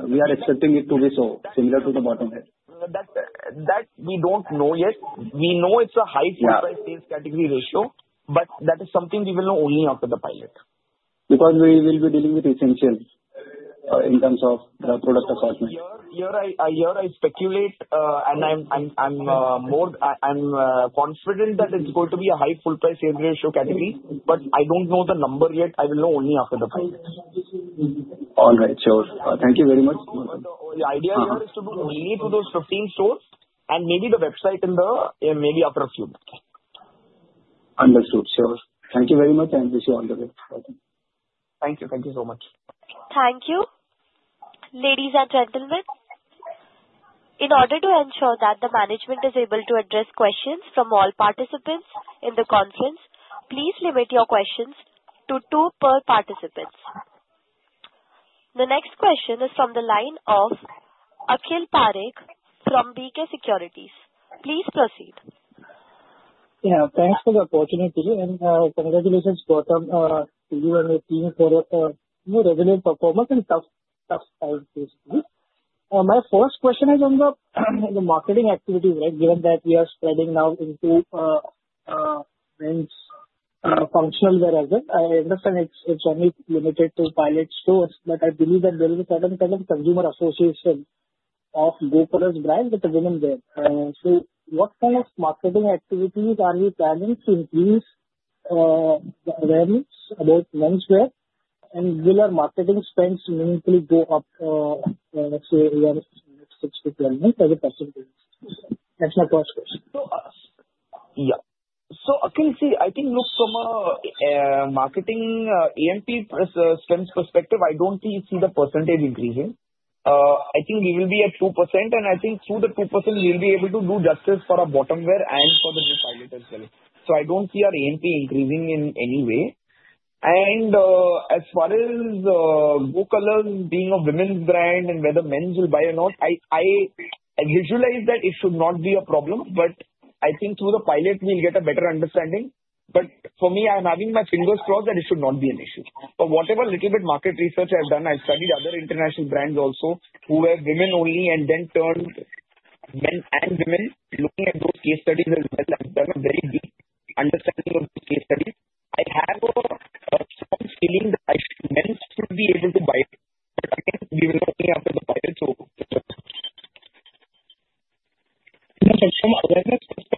we are expecting it to be so similar to the bottom wear? That we don't know yet. We know it's a high full price sales category ratio, but that is something we will know only after the pilot. Because we will be dealing with essentials in terms of product assortment. Here, I speculate, and I'm confident that it's going to be a high full price sales ratio category. I don't know the number yet. I will know only after the pilot. All right. Sure. Thank you very much. The idea here is to do only to those 15 stores and maybe the website in the maybe after a few months. Understood. Sure. Thank you very much, and wish you all the best. Thank you. Thank you so much. Thank you. Ladies and gentlemen, in order to ensure that the management is able to address questions from all participants in the conference, please limit your questions to two per participant. The next question is from the line of Akhil Parekh from B&K Securities. Please proceed. Yeah. Thanks for the opportunity. Congratulations, Gautam, to you and your team for your resilient performance and tough sales case. My first question is on the marketing activities, right, given that we are spreading now into menswear functional wear as well. I understand it's only limited to pilot stores, but I believe that there is a certain kind of consumer association of Go Colors brand with the women wear. What kind of marketing activities are you planning to increase the awareness about menswear, and will our marketing spends meaningfully go up, say, in the next 6 to 12 months as a percentage? That's my first question. Yeah. Akhil, see, I think, look, from a marketing EMP spend perspective, I do not really see the percentage increasing. I think we will be at 2%. I think through the 2%, we will be able to do justice for our bottom wear and for the new pilot as well. I do not see our EMP increasing in any way. As far as Go Colors being a women's brand and whether men's will buy or not, I visualize that it should not be a problem. I think through the pilot, we will get a better understanding. For me, I am having my fingers crossed that it should not be an issue. Whatever little bit of market research I have done, I have studied other international brands also who were women-only and then turned men and women, looking at those case studies as well. I've done a very deep understanding of those case studies. I have a strong feeling that men's should be able to buy. Again, we will look after the pilot, so. From an awareness perspective,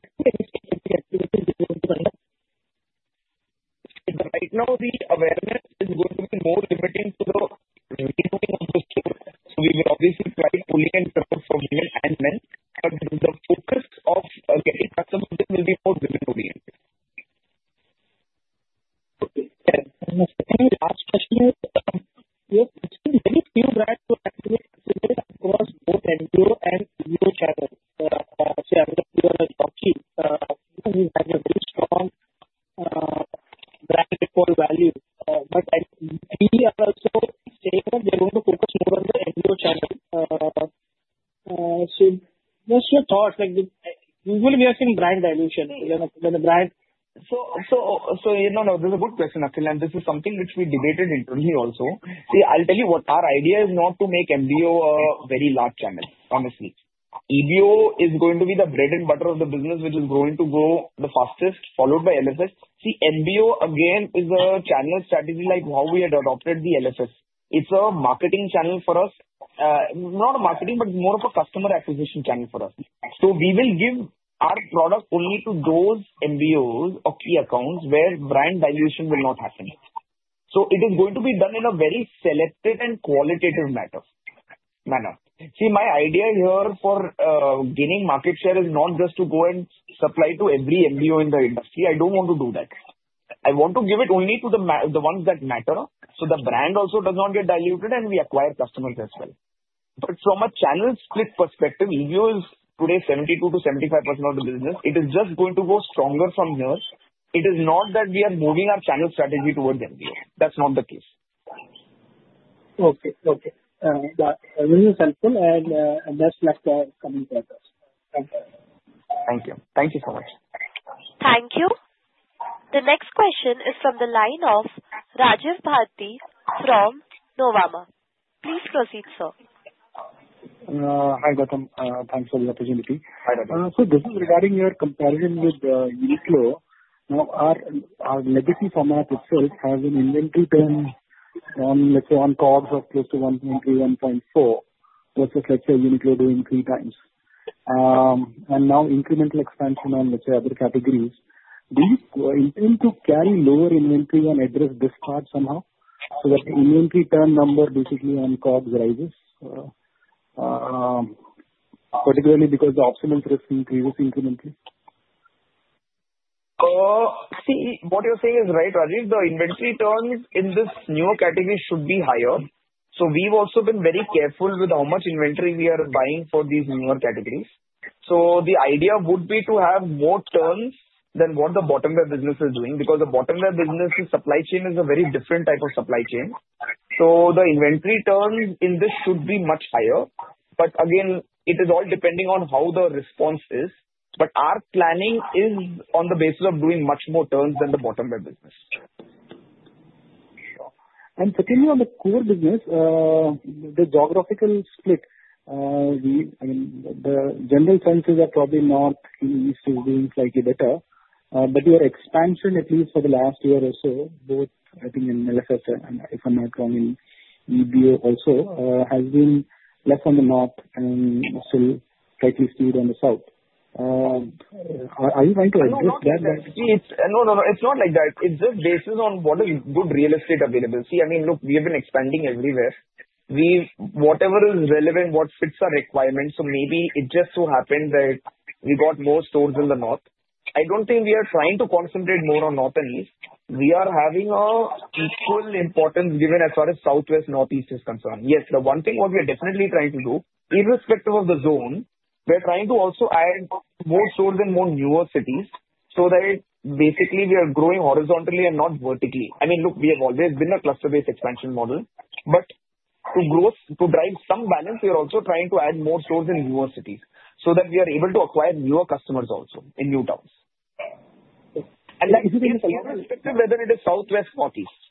is the activity going to end up? Right now, the awareness is going to be more limiting to the women-only on the store. We will obviously try pulling in support from women and men. The focus of getting customers will be more women-oriented. Okay. Last question is, you have seen very few brands who are actually considered across both MBO and Uniqlo channel. I would appreciate if you have a very strong brand recall value. Many are also saying that they're going to focus more on the MBO channel. What's your thought? Usually, we are seeing brand dilution. When a brand. No, no. This is a good question, Akhil. This is something which we debated internally also. See, I'll tell you what. Our idea is not to make MBO a very large channel, honestly. EBO is going to be the bread and butter of the business, which is going to grow the fastest, followed by LFS. See, MBO, again, is a channel strategy like how we had adopted the LFS. It's a marketing channel for us. Not marketing, but more of a customer acquisition channel for us. We will give our product only to those MBOs or key accounts where brand dilution will not happen. It is going to be done in a very selective and qualitative manner. My idea here for gaining market share is not just to go and supply to every MBO in the industry. I don't want to do that. I want to give it only to the ones that matter so the brand also does not get diluted and we acquire customers as well. From a channel split perspective, EBO is today 72-75% of the business. It is just going to go stronger from here. It is not that we are moving our channel strategy towards MBO. That is not the case. Okay. Okay. That was helpful. Best luck to our coming projects. Thank you. Thank you so much. Thank you. The next question is from the line of Rajiv Bharti from Nuvama. Please proceed, sir. Hi, Gautam. Thanks for the opportunity. This is regarding your comparison with Uniqlo. Now, our legacy format itself has an inventory turn on, let's say, on COGS of close to 1.3, 1.4, versus, let's say, Uniqlo doing three times. Now, incremental expansion on, let's say, other categories. Do you intend to carry lower inventory and address this part somehow so that the inventory turn number basically on COGS rises, particularly because the optional trade increases incrementally? See, what you're saying is right, Rajiv. The inventory turns in this newer category should be higher. We have also been very careful with how much inventory we are buying for these newer categories. The idea would be to have more turns than what the bottom wear business is doing because the bottom wear business's supply chain is a very different type of supply chain. The inventory turns in this should be much higher. Again, it is all depending on how the response is. Our planning is on the basis of doing much more turns than the bottom wear business. Continuing on the core business, the geographical split, I mean, the general sense is you are probably not in these two things slightly better. Your expansion, at least for the last year or so, both, I think, in LFS and, if I'm not wrong, in EBO also, has been less on the north and still slightly skewed on the south. Are you trying to address that? No, no, no. It's not like that. It's just based on what is good real estate available. See, I mean, look, we have been expanding everywhere. Whatever is relevant, what fits our requirements. Maybe it just so happened that we got more stores in the north. I don't think we are trying to concentrate more on north and east. We are having equal importance given as far as southwest, northeast is concerned. Yes, the one thing what we are definitely trying to do, irrespective of the zone, we are trying to also add more stores in more newer cities so that basically we are growing horizontally and not vertically. I mean, look, we have always been a cluster-based expansion model. To drive some balance, we are also trying to add more stores in newer cities so that we are able to acquire newer customers also in new towns. That is irrespective whether it is southwest, northeast. Yeah.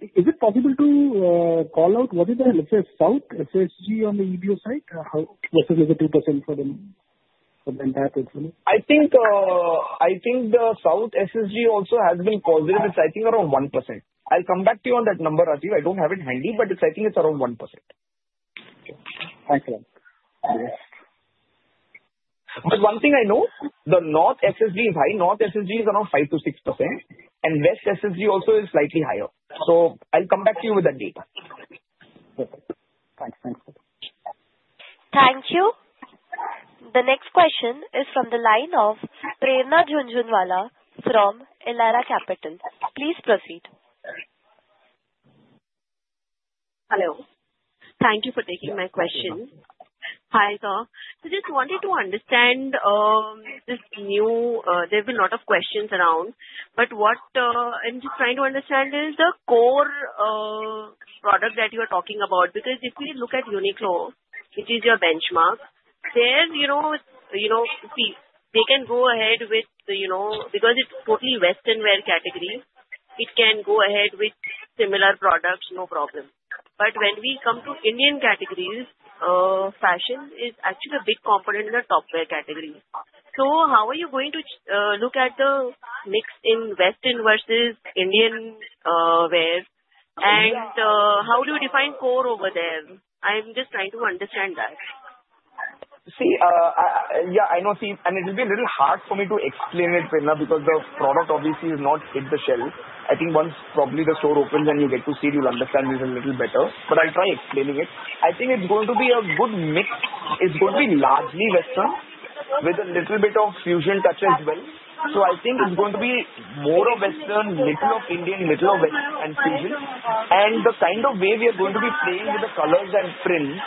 Is it possible to call out what is the, let's say, south SSG on the EBO side? Versus maybe 2% for the entire portfolio? I think the south SSG also has been positive. It's, I think, around 1%. I'll come back to you on that number, Rajiv. I don't have it handy, but I think it's around 1%. Okay. Thanks, Rajiv. One thing I know, the north SSG is high. North SSG is around 5-6%. West SSG also is slightly higher. I'll come back to you with that data. Perfect. Thanks. Thanks. Thank you. The next question is from the line of Prerna Jhunjhunwala from Elara Capital. Please proceed. Hello. Thank you for taking my question. Hi, sir. Just wanted to understand this new, there have been a lot of questions around. What I'm just trying to understand is the core product that you are talking about. Because if we look at Uniqlo, which is your benchmark, there, see, they can go ahead with, because it's totally western wear category, it can go ahead with similar products, no problem. When we come to Indian categories, fashion is actually a big component in the top wear category. How are you going to look at the mix in western versus Indian wear? How do you define core over there? I'm just trying to understand that. See, yeah, I know. See, it will be a little hard for me to explain it because the product obviously has not hit the shelf. I think once probably the store opens and you get to see it, you'll understand it a little better. I think it's going to be a good mix. It's going to be largely western with a little bit of fusion touch as well. I think it's going to be more of western, a little of Indian, a little of western and fusion. The kind of way we are going to be playing with the colors and prints,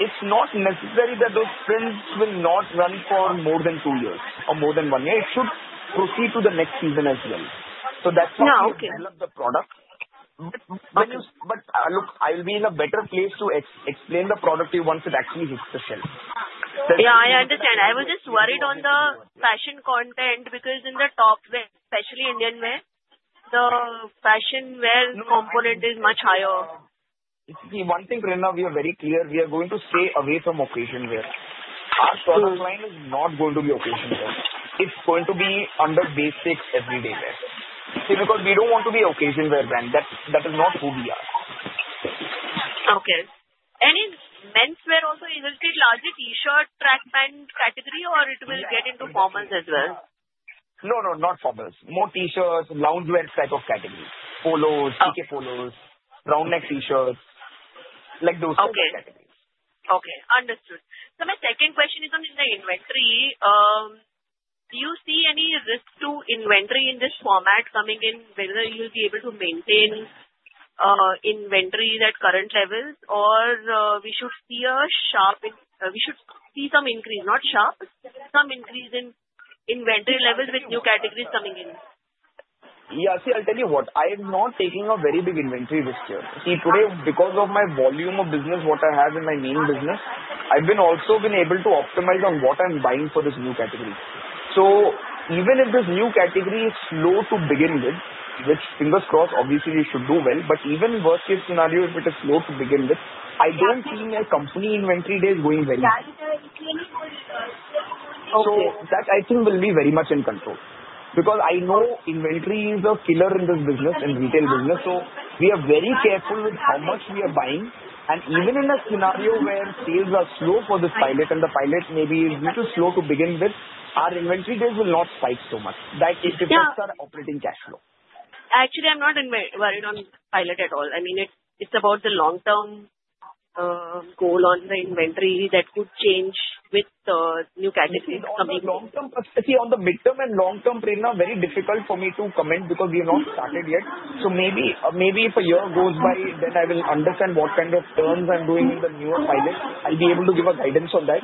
it's not necessary that those prints will not run for more than two years or more than one year. It should proceed to the next season as well. That's how we develop the product. Look, I'll be in a better place to explain the product to you once it actually hits the shelf. Yeah, I understand. I was just worried on the fashion content because in the top wear, especially Indian wear, the fashion wear component is much higher. See, one thing, Prerna, we are very clear. We are going to stay away from occasion wear. Our product line is not going to be occasion wear. It's going to be under basic everyday wear. See, because we don't want to be occasion wear brand. That is not who we are. Okay. Is menswear also usually a larger T-shirt track band category, or will it get into formals as well? No, no, not formals. More T-shirts, loungewear type of categories. Polos, TK polos, round neck T-shirts, like those type of categories. Okay. Okay. Understood. My second question is on the inventory. Do you see any risk to inventory in this format coming in, whether you'll be able to maintain inventory at current levels, or we should see a sharp, we should see some increase, not sharp, some increase in inventory levels with new categories coming in? Yeah. See, I'll tell you what. I am not taking a very big inventory risk here. See, today, because of my volume of business, what I have in my main business, I've also been able to optimize on what I'm buying for this new category. Even if this new category is slow to begin with, which, fingers crossed, obviously, we should do well, but even worst-case scenario, if it is slow to begin with, I don't see my company inventory days going very high. That, I think, will be very much in control because I know inventory is a killer in this business, in retail business. We are very careful with how much we are buying. Even in a scenario where sales are slow for this pilot and the pilot maybe is a little slow to begin with, our inventory days will not spike so much. That is just our operating cash flow. Actually, I'm not worried on pilot at all. I mean, it's about the long-term goal on the inventory that could change with new categories coming in. See, on the midterm and long-term, Prerna, very difficult for me to comment because we have not started yet. Maybe if a year goes by, then I will understand what kind of turns I'm doing in the newer pilot. I'll be able to give a guidance on that.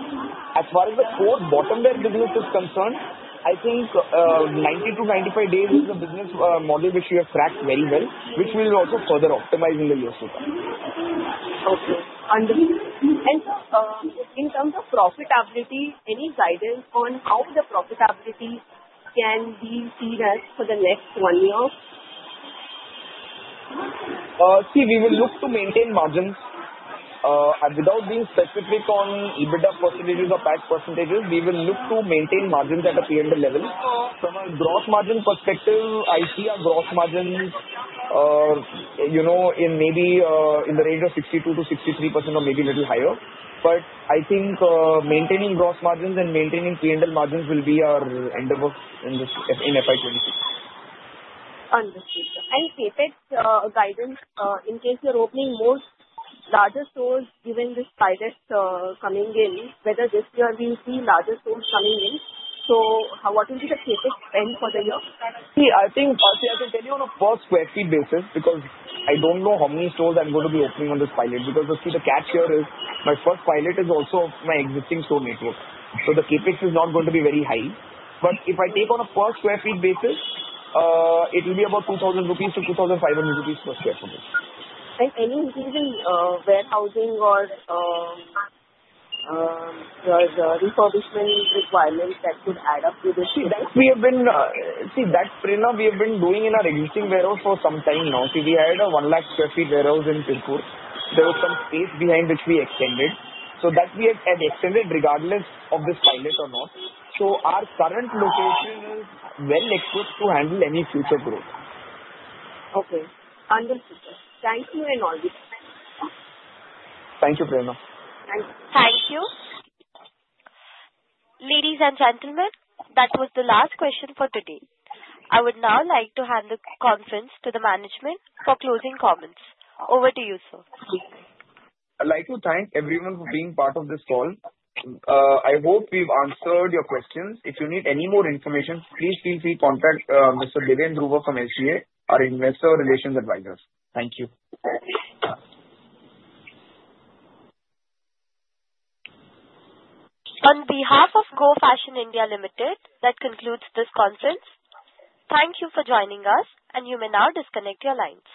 As far as the core bottom wear business is concerned, I think 90 to 95 days is a business model which we have cracked very well, which we will also further optimize in the years to come. Okay. Understood. In terms of profitability, any guidance on how the profitability can be seen as for the next one year? See, we will look to maintain margins. Without being specific on EBITDA percentages or PAT percentages, we will look to maintain margins at a P&L level. From a gross margin perspective, I see our gross margins in maybe in the range of 62% to 63% or maybe a little higher. I think maintaining gross margins and maintaining P&L margins will be our endeavor in FY2026. Understood. If it is a guidance, in case you are opening more larger stores given this pilot coming in, whether this year we will see larger stores coming in, what will be the CapEx spend for the year? See, I think I can tell you on a per square feet basis because I do not know how many stores I am going to be opening on this pilot because see, the catch here is my first pilot is also my existing store network. So the CapEx is not going to be very high. If I take on a per square feet basis, it will be about 2,000 rupees to 2,500 rupees per sq ft. there any increase in warehousing or the refurbishment requirements that could add up to this? See, that's Prerna. We have been doing in our existing warehouse for some time now. See, we had a 1 lakh sq ft warehouse in Perundurai. There was some space behind which we extended. That we had extended regardless of this pilot or not. Our current location is well equipped to handle any future growth. Okay. Understood. Thank you and all the best. Thank you, Prerna. Thank you. Ladies and gentlemen, that was the last question for today. I would now like to hand the conference to the management for closing comments. Over to you, sir. I'd like to thank everyone for being part of this call. I hope we've answered your questions. If you need any more information, please feel free to contact Mr. Devanshu Bansal from SJR Investor Relations Advisors, our investor relations advisor. Thank you. On behalf of Go Fashion (India) Limited, that concludes this conference. Thank you for joining us, and you may now disconnect your lines.